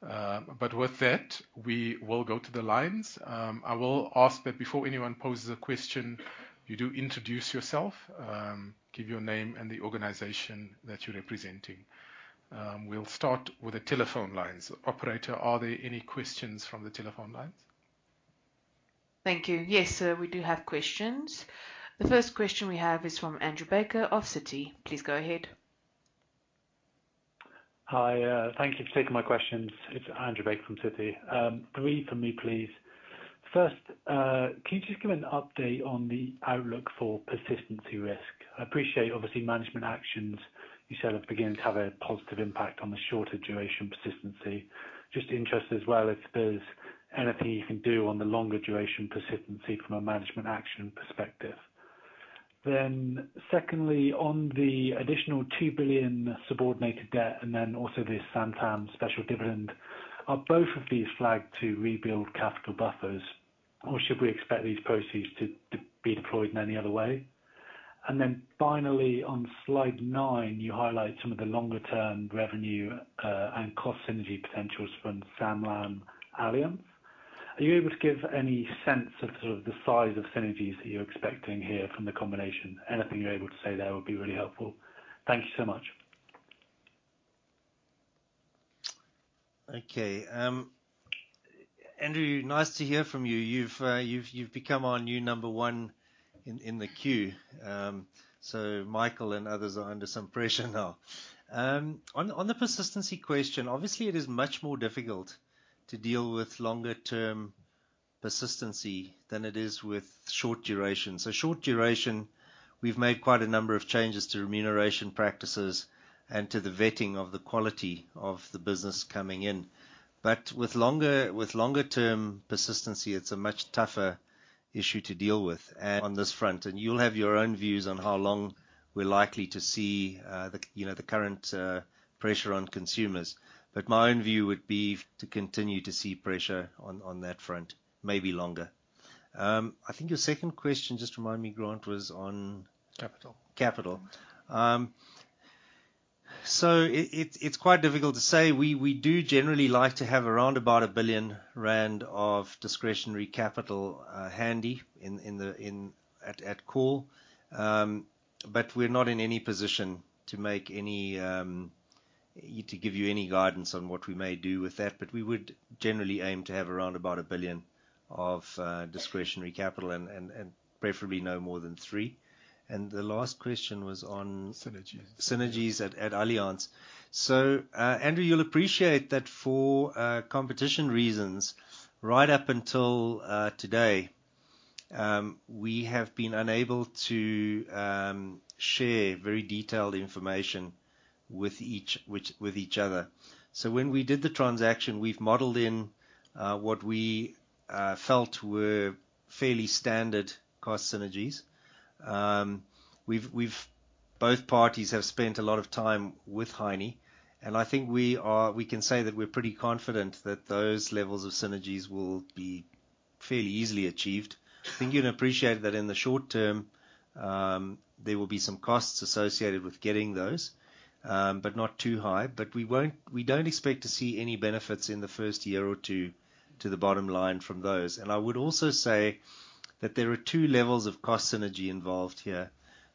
A: But with that, we will go to the lines. I will ask that before anyone poses a question, you do introduce yourself, give your name and the organization that you're representing. We'll start with the telephone lines. Operator, are there any questions from the telephone lines?
E: Thank you. Yes, sir, we do have questions. The first question we have is from Andrew Baker of Citi. Please go ahead.
F: Hi, thank you for taking my questions. It's Andrew Baker from Citi. Three from me, please. First, can you just give an update on the outlook for persistency risk? I appreciate, obviously, management actions. You said are beginning to have a positive impact on the shorter duration persistency. Just interested as well, if there's anything you can do on the longer duration persistency from a management action perspective. Then secondly, on the additional 2 billion subordinated debt, and then also the Santam special dividend, are both of these flagged to rebuild capital buffers, or should we expect these proceeds to, to be deployed in any other way? And then finally, on slide nine, you highlight some of the longer term revenue, and cost synergy potentials from Sanlam Allianz. Are you able to give any sense of sort of the size of synergies that you're expecting here from the combination? Anything you're able to say there would be really helpful. Thank you so much.
B: Okay, Andrew, nice to hear from you. You've become our new number one in the queue. So Michael and others are under some pressure now. On the persistency question, obviously it is much more difficult to deal with longer term persistency than it is with short duration. So short duration, we've made quite a number of changes to remuneration practices and to the vetting of the quality of the business coming in. But with longer term persistency, it's a much tougher issue to deal with. And on this front, you'll have your own views on how long we're likely to see the current pressure on consumers. But my own view would be to continue to see pressure on that front, maybe longer. I think your second question, just remind me, Grant, was on?
A: Capital. Capital. So it's quite difficult to say. We do generally like to have around about 1 billion rand of discretionary capital handy at call. But we're not in any position to give you any guidance on what we may do with that. But we would generally aim to have around about 1 billion of discretionary capital and preferably no more than 3 billion. The last question was on- Synergies.
B: Synergies at Allianz. So, Andrew, you'll appreciate that for competition reasons, right up until today, we have been unable to share very detailed information with each other. So when we did the transaction, we've modeled in what we felt were fairly standard cost synergies. We've both parties have spent a lot of time with Heinie, and I think we are, we can say that we're pretty confident that those levels of synergies will be fairly easily achieved. I think you'd appreciate that in the short term, there will be some costs associated with getting those, but not too high. But we won't we don't expect to see any benefits in the first year or two to the bottom line from those. And I would also say that there are two levels of cost synergy involved here.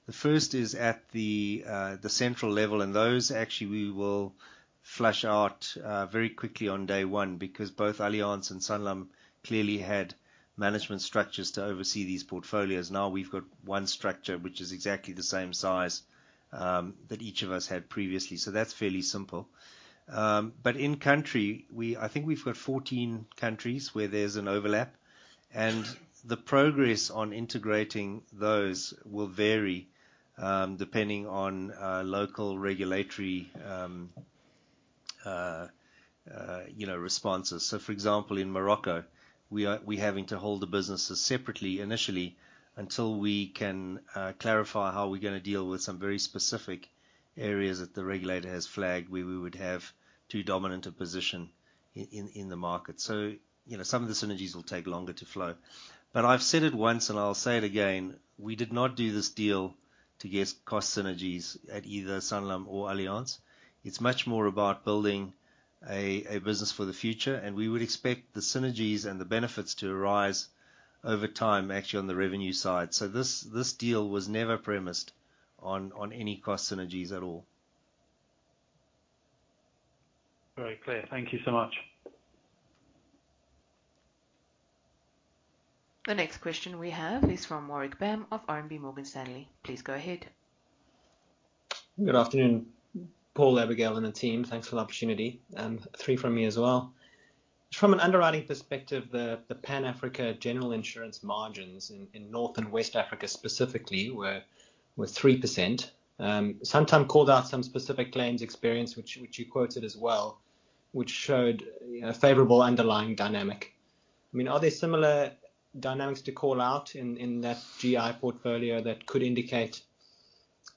B: The first is at the central level, and those actually we will flesh out very quickly on day one, because both Allianz and Sanlam clearly had management structures to oversee these portfolios. Now, we've got one structure, which is exactly the same size that each of us had previously, so that's fairly simple. But in country, I think we've got 14 countries where there's an overlap, and the progress on integrating those will vary depending on local regulatory, you know, responses. So, for example, in Morocco, we're having to hold the businesses separately initially, until we can clarify how we're gonna deal with some very specific areas that the regulator has flagged, where we would have too dominant a position in the market. So, you know, some of the synergies will take longer to flow. But I've said it once, and I'll say it again, we did not do this deal to get cost synergies at either Sanlam or Allianz. It's much more about building a business for the future, and we would expect the synergies and the benefits to arise over time, actually on the revenue side. So this deal was never premised on any cost synergies at all.
F: Very clear. Thank you so much.
E: The next question we have is from Warrick Bam of RMB Morgan Stanley. Please go ahead.
G: Good afternoon, Paul, Abigail, and the team. Thanks for the opportunity, three from me as well. From an underwriting perspective, the Pan-Africa general insurance margins in North and West Africa specifically were 3%. Sometimes called out some specific claims experience, which you quoted as well, which showed a favorable underlying dynamic. I mean, are there similar dynamics to call out in that GI portfolio that could indicate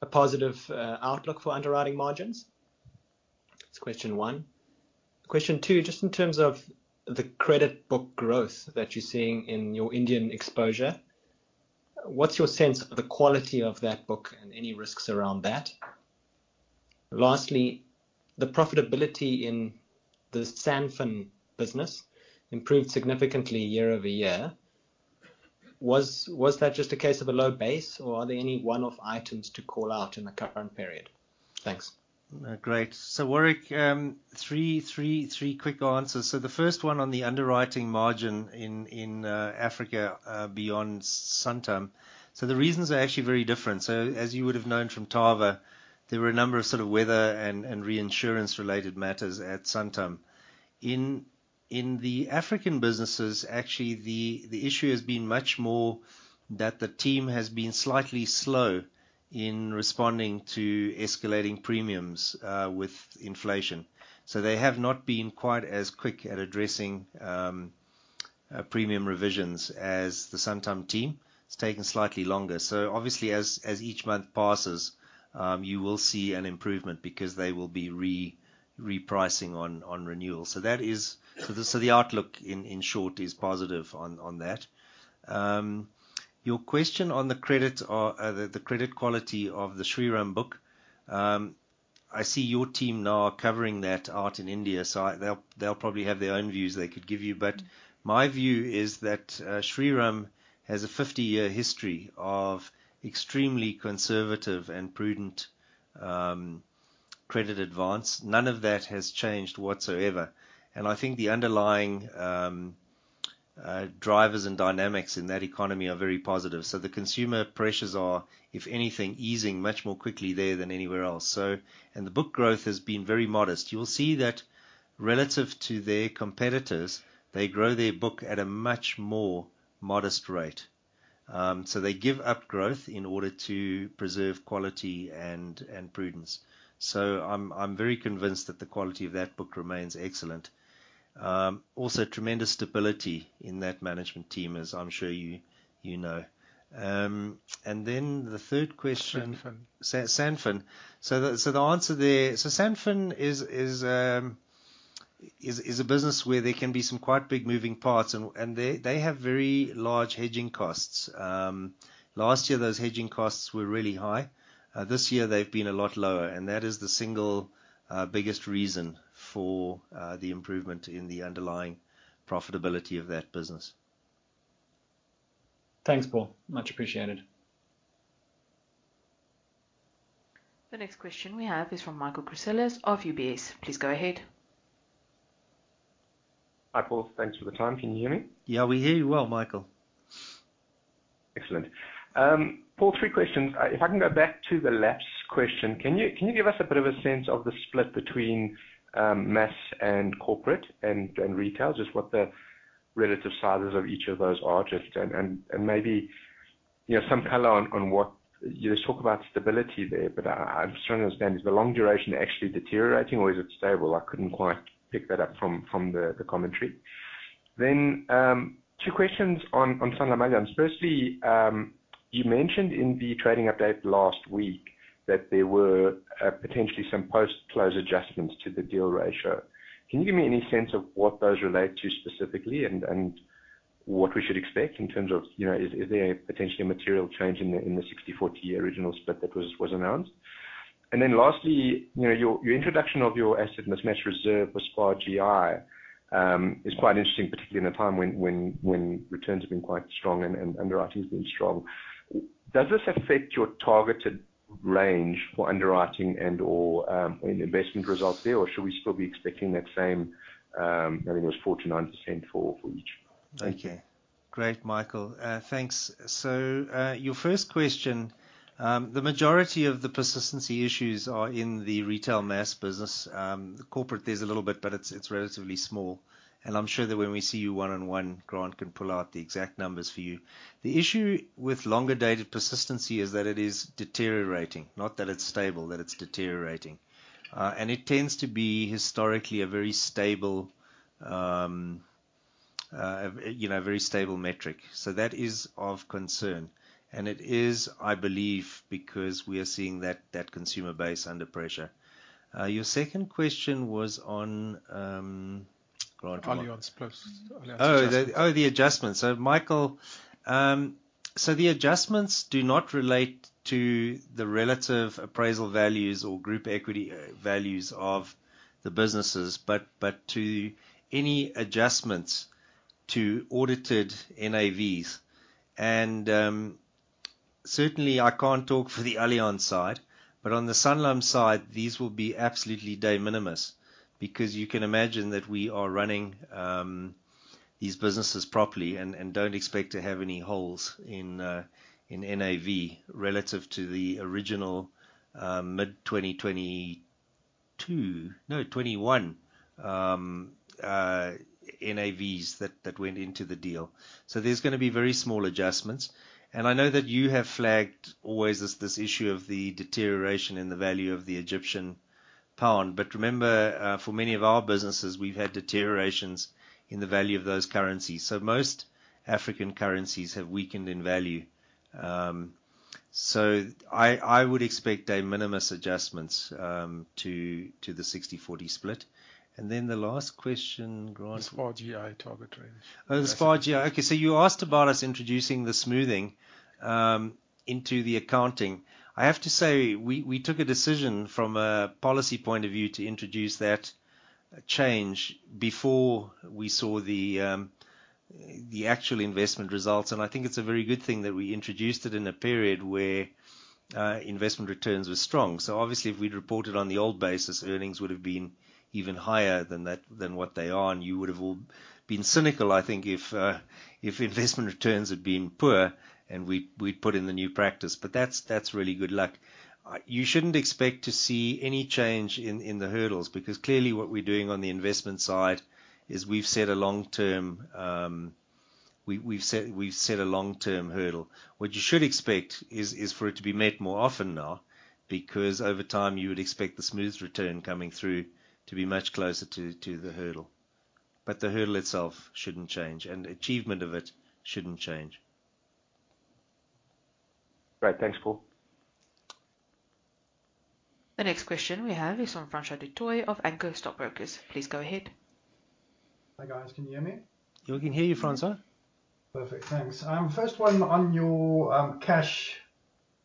G: a positive outlook for underwriting margins? That's question one. Question two, just in terms of the credit book growth that you're seeing in your Indian exposure, what's your sense of the quality of that book and any risks around that? Lastly, the profitability in the SanFin business improved significantly year-over-year. Was that just a case of a low base, or are there any one-off items to call out in the current period? Thanks.
B: Great. So, Warrick, three quick answers. So the first one on the underwriting margin in Africa, beyond Santam. So the reasons are actually very different. So as you would have known from Taava, there were a number of sort of weather and reinsurance-related matters at Santam. In the African businesses, actually, the issue has been much more that the team has been slightly slow in responding to escalating premiums with inflation. So they have not been quite as quick at addressing premium revisions as the Santam team. It's taken slightly longer. So obviously, as each month passes, you will see an improvement because they will be repricing on renewal. So that is... So the outlook, in short, is positive on that. Your question on the credit or the credit quality of the Shriram book. I see your team now are covering that part in India, so they'll probably have their own views they could give you. But my view is that Shriram has a 50-year history of extremely conservative and prudent credit advance. None of that has changed whatsoever. And I think the underlying drivers and dynamics in that economy are very positive. So the consumer pressures are, if anything, easing much more quickly there than anywhere else. And the book growth has been very modest. You will see that relative to their competitors, they grow their book at a much more modest rate. So they give up growth in order to preserve quality and prudence. So I'm very convinced that the quality of that book remains excellent. Also tremendous stability in that management team, as I'm sure you, you know. And then the third question-
A: SanFin.
B: SanFin. So SanFin is a business where there can be some quite big moving parts, and they have very large hedging costs. Last year, those hedging costs were really high. This year they've been a lot lower, and that is the single biggest reason for the improvement in the underlying profitability of that business.
E: Thanks, Paul. Much appreciated. The next question we have is from Michael Christelis of UBS. Please go ahead.
H: Hi, Paul. Thanks for the time. Can you hear me?
B: Yeah, we hear you well, Michael.
H: Excellent. Paul, three questions. If I can go back to the lapse question, can you give us a bit of a sense of the split between mass and corporate and retail? Just what the relative sizes of each of those are, just... And maybe, you know, some color on what-- You just talk about stability there, but I just trying to understand, is the long duration actually deteriorating or is it stable? I couldn't quite pick that up from the commentary. Then, two questions on SanlamAllianz. Firstly, you mentioned in the trading update last week that there were potentially some post-close adjustments to the deal ratio. Can you give me any sense of what those relate to specifically and what we should expect in terms of, you know, is there potentially a material change in the 60/40 original split that was announced? And then lastly, you know, your introduction of your Asset Mismatch Reserve with SPA GI is quite interesting, particularly in a time when returns have been quite strong and underwriting has been strong. Does this affect your targeted range for underwriting and/or investment results there, or should we still be expecting that same, I think it was 4%-9% for each?
B: Okay. Great, Michael. Thanks. So, your first question, the majority of the persistency issues are in the Retail Mass business. The corporate, there's a little bit, but it's, it's relatively small, and I'm sure that when we see you one-on-one, Grant can pull out the exact numbers for you. The issue with longer dated persistency is that it is deteriorating, not that it's stable, that it's deteriorating. And it tends to be historically a very stable, you know, very stable metric. So that is of concern, and it is, I believe, because we are seeing that, that consumer base under pressure. Your second question was on, Grant, what-
A: Allianz close. Allianz adjustments.
B: The adjustments. So, Michael, so the adjustments do not relate to the relative appraisal values or group equity values of the businesses, but to any adjustments to audited NAVs. And certainly, I can't talk for the Allianz side, but on the Sanlam side, these will be absolutely de minimis. Because you can imagine that we are running these businesses properly and don't expect to have any holes in in NAV relative to the original mid-2022... No, 2021 NAVs that went into the deal. So there's gonna be very small adjustments. And I know that you have flagged always this issue of the deterioration in the value of the Egyptian pound. But remember, for many of our businesses, we've had deteriorations in the value of those currencies, so most African currencies have weakened in value. So I would expect de minimis adjustments to the 60/40 split. And then the last question, Grant?
A: The SPA GI target range.
B: Oh, the SPA GI. Okay, so you asked about us introducing the smoothing into the accounting. I have to say, we, we took a decision from a policy point of view to introduce that change before we saw the actual investment results. And I think it's a very good thing that we introduced it in a period where investment returns were strong. So obviously, if we'd reported on the old basis, earnings would have been even higher than that, than what they are, and you would have all been cynical, I think, if, if investment returns had been poor and we, we'd put in the new practice. But that's, that's really good luck. You shouldn't expect to see any change in the hurdles, because clearly what we're doing on the investment side is we've set a long-term hurdle. What you should expect is for it to be met more often now, because over time, you would expect the smooth return coming through to be much closer to the hurdle. But the hurdle itself shouldn't change, and achievement of it shouldn't change.
H: Great. Thanks, Paul.
E: The next question we have is from Francois du Toit of Anchor Stockbrokers. Please go ahead.
I: Hi, guys. Can you hear me?
B: We can hear you, Francois.
I: Perfect, thanks. First one, on your cash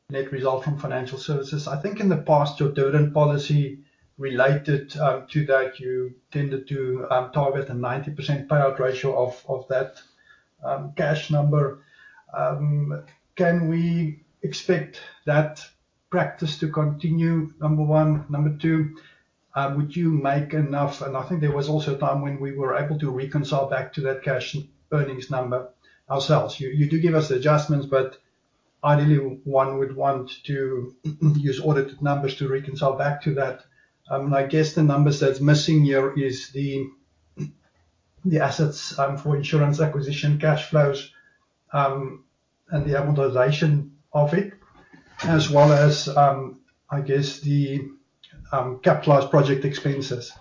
I: net result from financial services, I think in the past, your dividend policy related to that, you tended to target a 90% payout ratio of that cash number. Can we expect that practice to continue? Number one. Number two, would you make enough...? And I think there was also a time when we were able to reconcile back to that cash earnings number ourselves. You do give us adjustments, but ideally, one would want to use audited numbers to reconcile back to that. And I guess the numbers that's missing here is the assets for insurance acquisition cash flows and the amortization of it, as well as I guess the capitalized project expenses.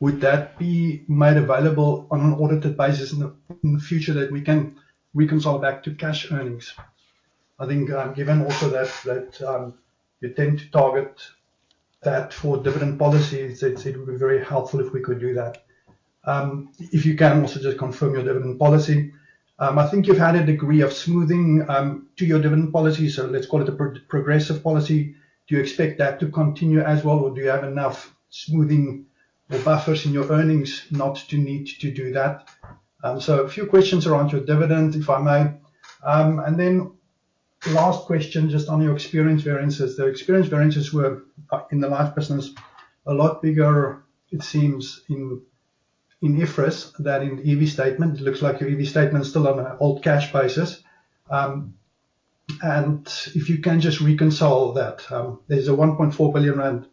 I: Would that be made available on an audited basis in the future that we can reconcile back to cash earnings? I think, given also that you tend to target that for dividend policies, it would be very helpful if we could do that. If you can also just confirm your dividend policy. I think you've had a degree of smoothing to your dividend policy, so let's call it a progressive policy. Do you expect that to continue as well, or do you have enough smoothing the buffers in your earnings not to need to do that? So a few questions around your dividend, if I may. And then last question, just on your experience variances. The experience variances were in the last business a lot bigger, it seems, in IFRS than in EV statement. It looks like your EV statement is still on an old cash basis. If you can just reconcile that. There's a 1.4 billion rand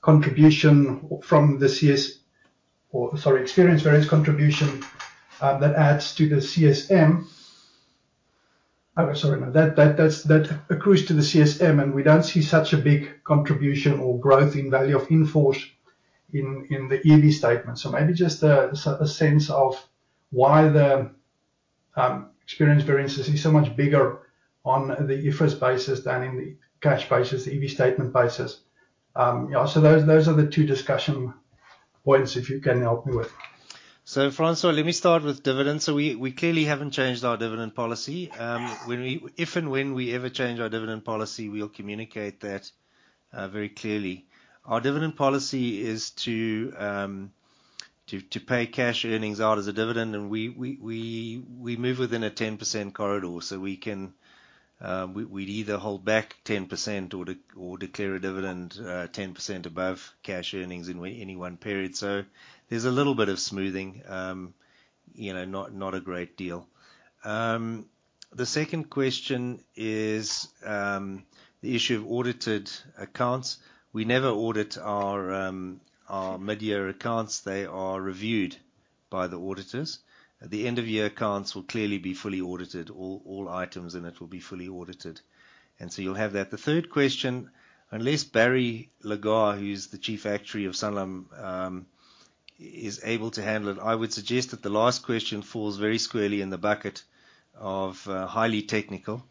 I: contribution from the CS... Or, sorry, experience variance contribution, that adds to the CSM. Sorry, no, that accrues to the CSM, and we don't see such a big contribution or growth in value of in-force in the EV statement. So maybe just a sense of why the experience variances is so much bigger on the IFRS basis than in the cash basis, EV statement basis. Yeah, so those are the two discussion points, if you can help me with.
B: So, Francois, let me start with dividends. So we clearly haven't changed our dividend policy. When we if and when we ever change our dividend policy, we'll communicate that very clearly. Our dividend policy is to pay cash earnings out as a dividend, and we move within a 10% corridor. So we can. We'd either hold back 10% or declare a dividend 10% above cash earnings in any one period. So there's a little bit of smoothing, you know, not a great deal. The second question is the issue of audited accounts. We never audit our mid-year accounts. They are reviewed by the auditors. The end-of-year accounts will clearly be fully audited. All items in it will be fully audited, and so you'll have that. The third question, unless Barry Laggar, who's the Chief Actuary of Sanlam, is able to handle it, I would suggest that the last question falls very squarely in the bucket of, highly technical,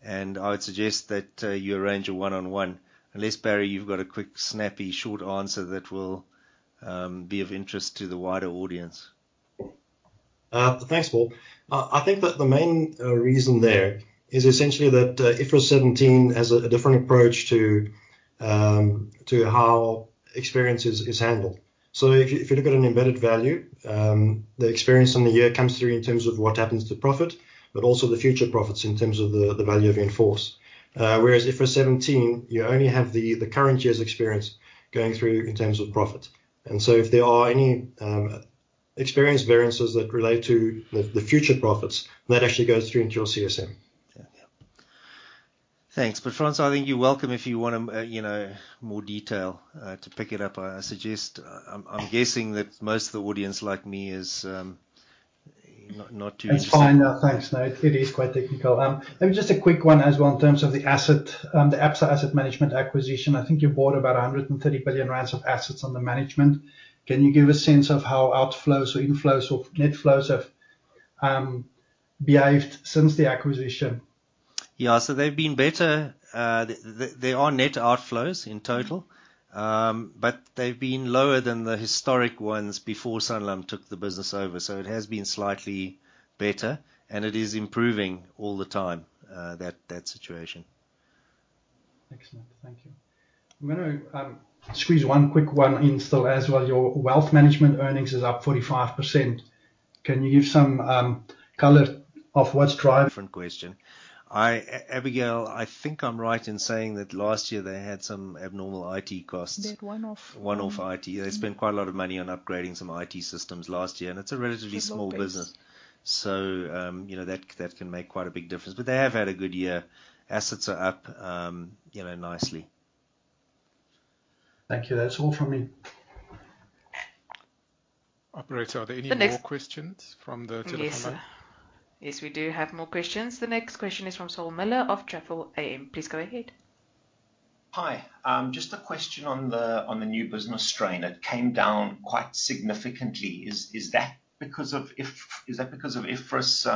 B: and I would suggest that, you arrange a one-on-one. Unless, Barry, you've got a quick, snappy, short answer that will, be of interest to the wider audience.
J: Thanks, Paul. I think that the main reason there is essentially that, IFRS 17 has a different approach to how experience is handled. So if you look at an embedded value, the experience in the year comes through in terms of what happens to profit, but also the future profits in terms of the value of in-force. Whereas IFRS 17, you only have the current year's experience going through in terms of profit. And so if there are any experience variances that relate to the future profits, that actually goes through into your CSM.
B: Yeah. Yeah. Thanks. But, Francois, I think you're welcome if you want to, you know, more detail, to pick it up. I suggest... I'm guessing that most of the audience, like me, is not too-
I: That's fine. No, thanks. No, it is quite technical. Maybe just a quick one as well in terms of the asset, the Absa Asset Management acquisition. I think you bought about 130 billion rand of assets under management. Can you give a sense of how outflows or inflows or net flows have behaved since the acquisition?
B: Yeah. So they've been better. There are net outflows in total, but they've been lower than the historic ones before Sanlam took the business over, so it has been slightly better, and it is improving all the time, that situation.
I: Excellent. Thank you. I'm gonna squeeze one quick one in still as well. Your Wealth Management earnings is up 45%. Can you give some color of what's driving-
B: Different question. I, Abigail, I think I'm right in saying that last year they had some abnormal IT costs.
C: They had one-off.
B: One-off IT.
C: Mm-hmm.
B: They spent quite a lot of money on upgrading some IT systems last year, and it's a relatively-
C: Small base
B: Small business. So, you know, that, that can make quite a big difference, but they have had a good year. Assets are up, you know, nicely.
I: Thank you. That's all from me.
A: Operator, are there any more-
E: The next-
A: Questions from the telephone?
E: Yes. Yes, we do have more questions. The next question is from Saul Miller of Truffle AM. Please go ahead.
K: Hi. Just a question on the new business strain. It came down quite significantly. Is that because of IFRS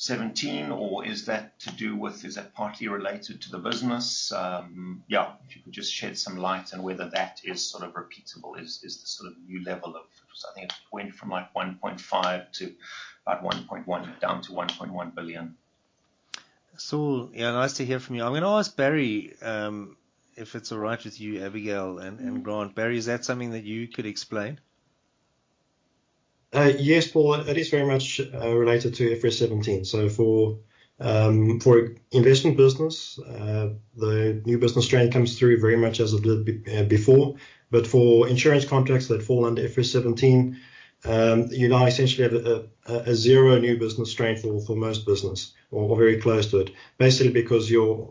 K: 17, or is that to do with, is that partly related to the business? Yeah, if you could just shed some light on whether that is sort of repeatable. Is this the sort of new level of, because I think it went from, like, 1.5 billion to about 1.1 billion, down to 1.1 billion.
B: Saul, yeah, nice to hear from you. I'm gonna ask Barry, if it's all right with you, Abigail and Grant. Barry, is that something that you could explain?
J: Yes, Paul, it is very much related to IFRS 17. So for investment business, the new business strain comes through very much as it did before, but for insurance contracts that fall under IFRS 17, you now essentially have a zero new business strain for most business, or very close to it. Basically, because your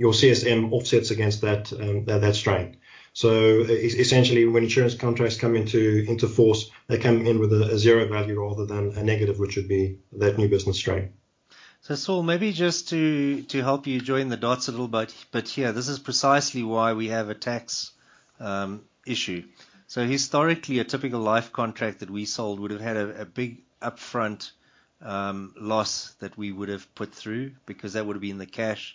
J: CSM offsets against that strain. So essentially, when insurance contracts come into force, they come in with a zero value rather than a negative, which would be that new business strain.
B: So, Saul, maybe just to help you join the dots a little bit here, this is precisely why we have a tax issue. So historically, a typical life contract that we sold would have had a big upfront loss that we would have put through, because that would have been the cash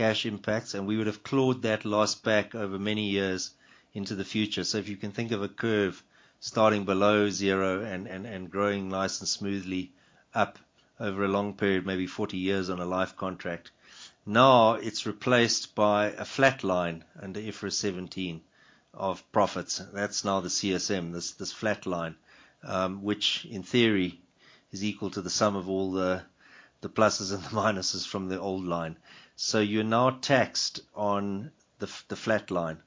B: impacts, and we would have clawed that loss back over many years into the future. So if you can think of a curve starting below zero and growing nice and smoothly up over a long period, maybe 40 years on a life contract. Now, it's replaced by a flat line under IFRS 17 of profits. That's now the CSM, this flat line, which in theory is equal to the sum of all the pluses and the minuses from the old line. So you're now taxed on the f... the flat line.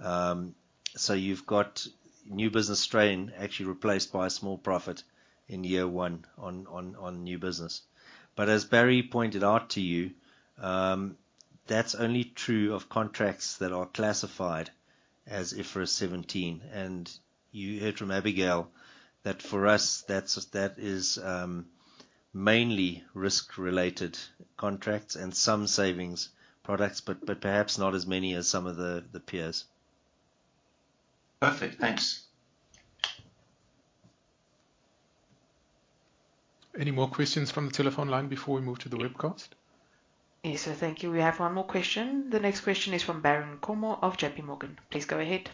B: So you've got new business strain actually replaced by a small profit in year one on new business. But as Barry pointed out to you, that's only true of contracts that are classified as IFRS 17, and you heard from Abigail that for us, that is mainly risk-related contracts and some savings products, but perhaps not as many as some of the peers.
K: Perfect. Thanks.
A: Any more questions from the telephone line before we move to the webcast?
E: Yes, sir. Thank you. We have one more question. The next question is from Baron Nkomo of J.P. Morgan. Please go ahead.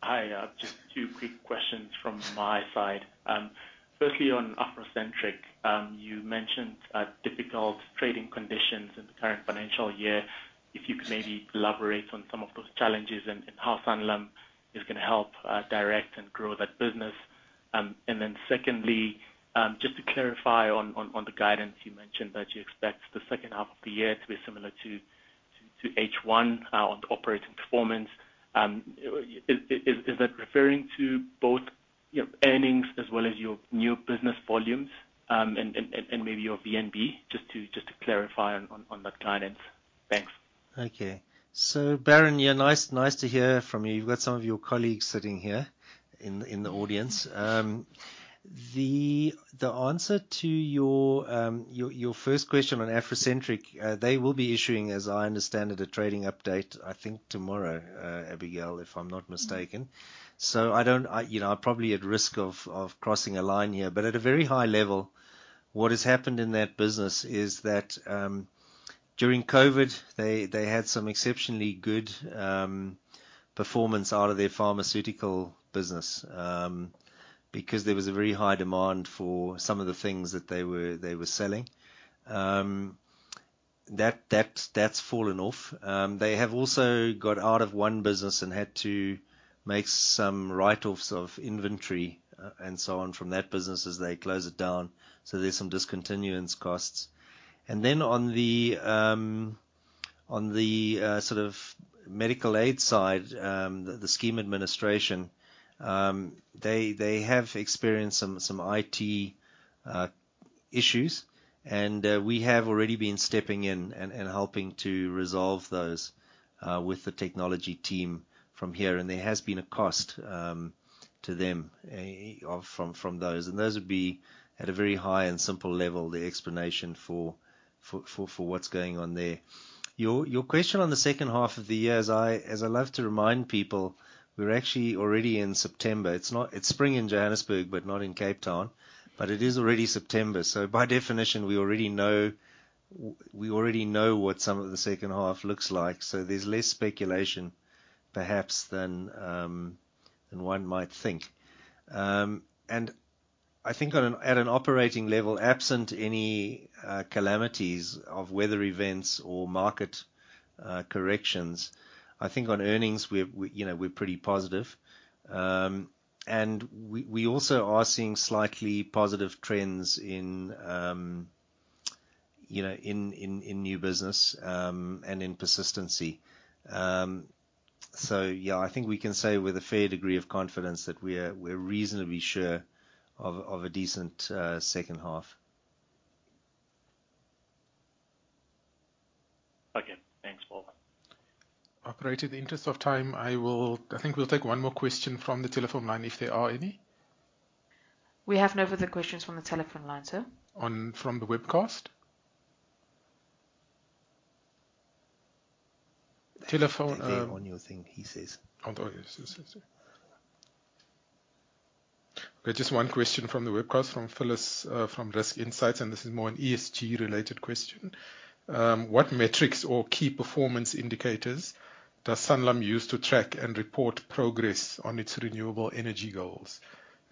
L: Hi, just two quick questions from my side. Firstly, on AfroCentric, you mentioned difficult trading conditions in the current financial year. If you could maybe elaborate on some of those challenges and how Sanlam is gonna help direct and grow that business. And then secondly, just to clarify on the guidance, you mentioned that you expect the second half of the year to be similar to H1 on the operating performance. Is that referring to both your earnings as well as your new business volumes and maybe your VNB? Just to clarify on that guidance. Thanks.
B: Okay. So, Baron, yeah, nice, nice to hear from you. You've got some of your colleagues sitting here in the audience. The answer to your first question on AfroCentric, they will be issuing, as I understand it, a trading update, I think tomorrow, Abigail, if I'm not mistaken. So I don't... I, you know, I'm probably at risk of crossing a line here. But at a very high level, what has happened in that business is that, during COVID, they had some exceptionally good performance out of their pharmaceutical business, because there was a very high demand for some of the things that they were selling. That, that's fallen off. They have also got out of one business and had to make some write-offs of inventory, and so on, from that business as they close it down, so there's some discontinuance costs. And then on the sort of medical aid side, the scheme administration, they have experienced some IT issues, and we have already been stepping in and helping to resolve those with the technology team from here. And there has been a cost to them from those. And those would be, at a very high and simple level, the explanation for what's going on there. Your question on the second half of the year, as I love to remind people, we're actually already in September. It's spring in Johannesburg, but not in Cape Town. But it is already September, so by definition, we already know what some of the second half looks like, so there's less speculation, perhaps, than one might think. And I think at an operating level, absent any calamities of weather events or market corrections, I think on earnings, you know, we're pretty positive. And we also are seeing slightly positive trends in, you know, new business and in persistency. So yeah, I think we can say with a fair degree of confidence that we're reasonably sure of a decent second half.
L: Okay. Thanks, Paul.
A: Okay. In the interest of time, I will, I think we'll take one more question from the telephone line, if there are any.
E: We have no further questions from the telephone line, sir.
A: On, from the webcast? Telephone,
B: They're on your thing, he says.
A: Oh, okay. Yes, yes, yes. Okay, just one question from the webcast, from Phyllis, from Risk Insights, and this is more an ESG-related question: What metrics or key performance indicators does Sanlam use to track and report progress on its renewable energy goals,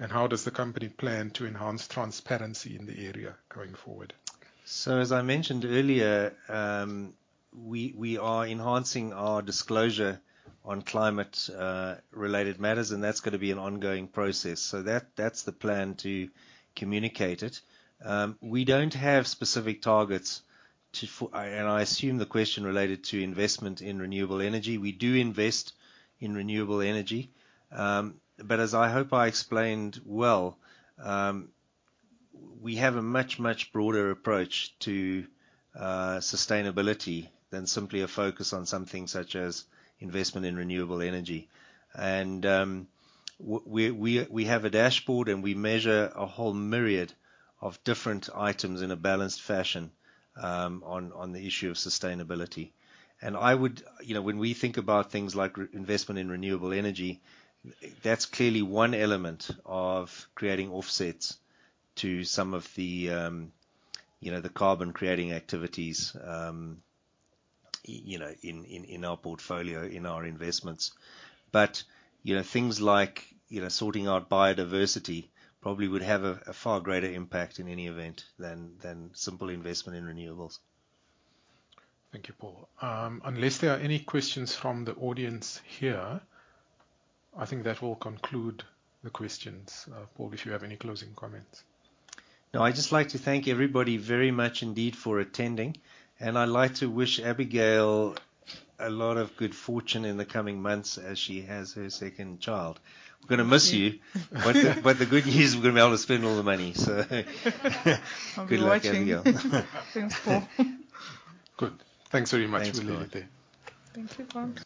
A: and how does the company plan to enhance transparency in the area going forward?
B: So, as I mentioned earlier, we are enhancing our disclosure on climate related matters, and that's gonna be an ongoing process, so that's the plan to communicate it. We don't have specific targets. And I assume the question related to investment in renewable energy. We do invest in renewable energy, but as I hope I explained well, we have a much, much broader approach to sustainability than simply a focus on something such as investment in renewable energy. And we have a dashboard, and we measure a whole myriad of different items in a balanced fashion, on the issue of sustainability. And I would... You know, when we think about things like investment in renewable energy, that's clearly one element of creating offsets to some of the, you know, the carbon-creating activities, you know, in our portfolio, in our investments. But, you know, things like, you know, sorting out biodiversity probably would have a far greater impact in any event than simple investment in renewables.
A: Thank you, Paul. Unless there are any questions from the audience here, I think that will conclude the questions. Paul, if you have any closing comments?
B: No. I'd just like to thank everybody very much indeed for attending, and I'd like to wish Abigail a lot of good fortune in the coming months as she has her second child. We're gonna miss you. But the, but the good news, we're gonna be able to spend all the money, so...
C: I'll be watching.
B: Good luck, Abigail.
C: Thanks, Paul.
A: Good. Thanks very much.
B: Thanks.
A: We'll leave it there.
C: Thank you, folks.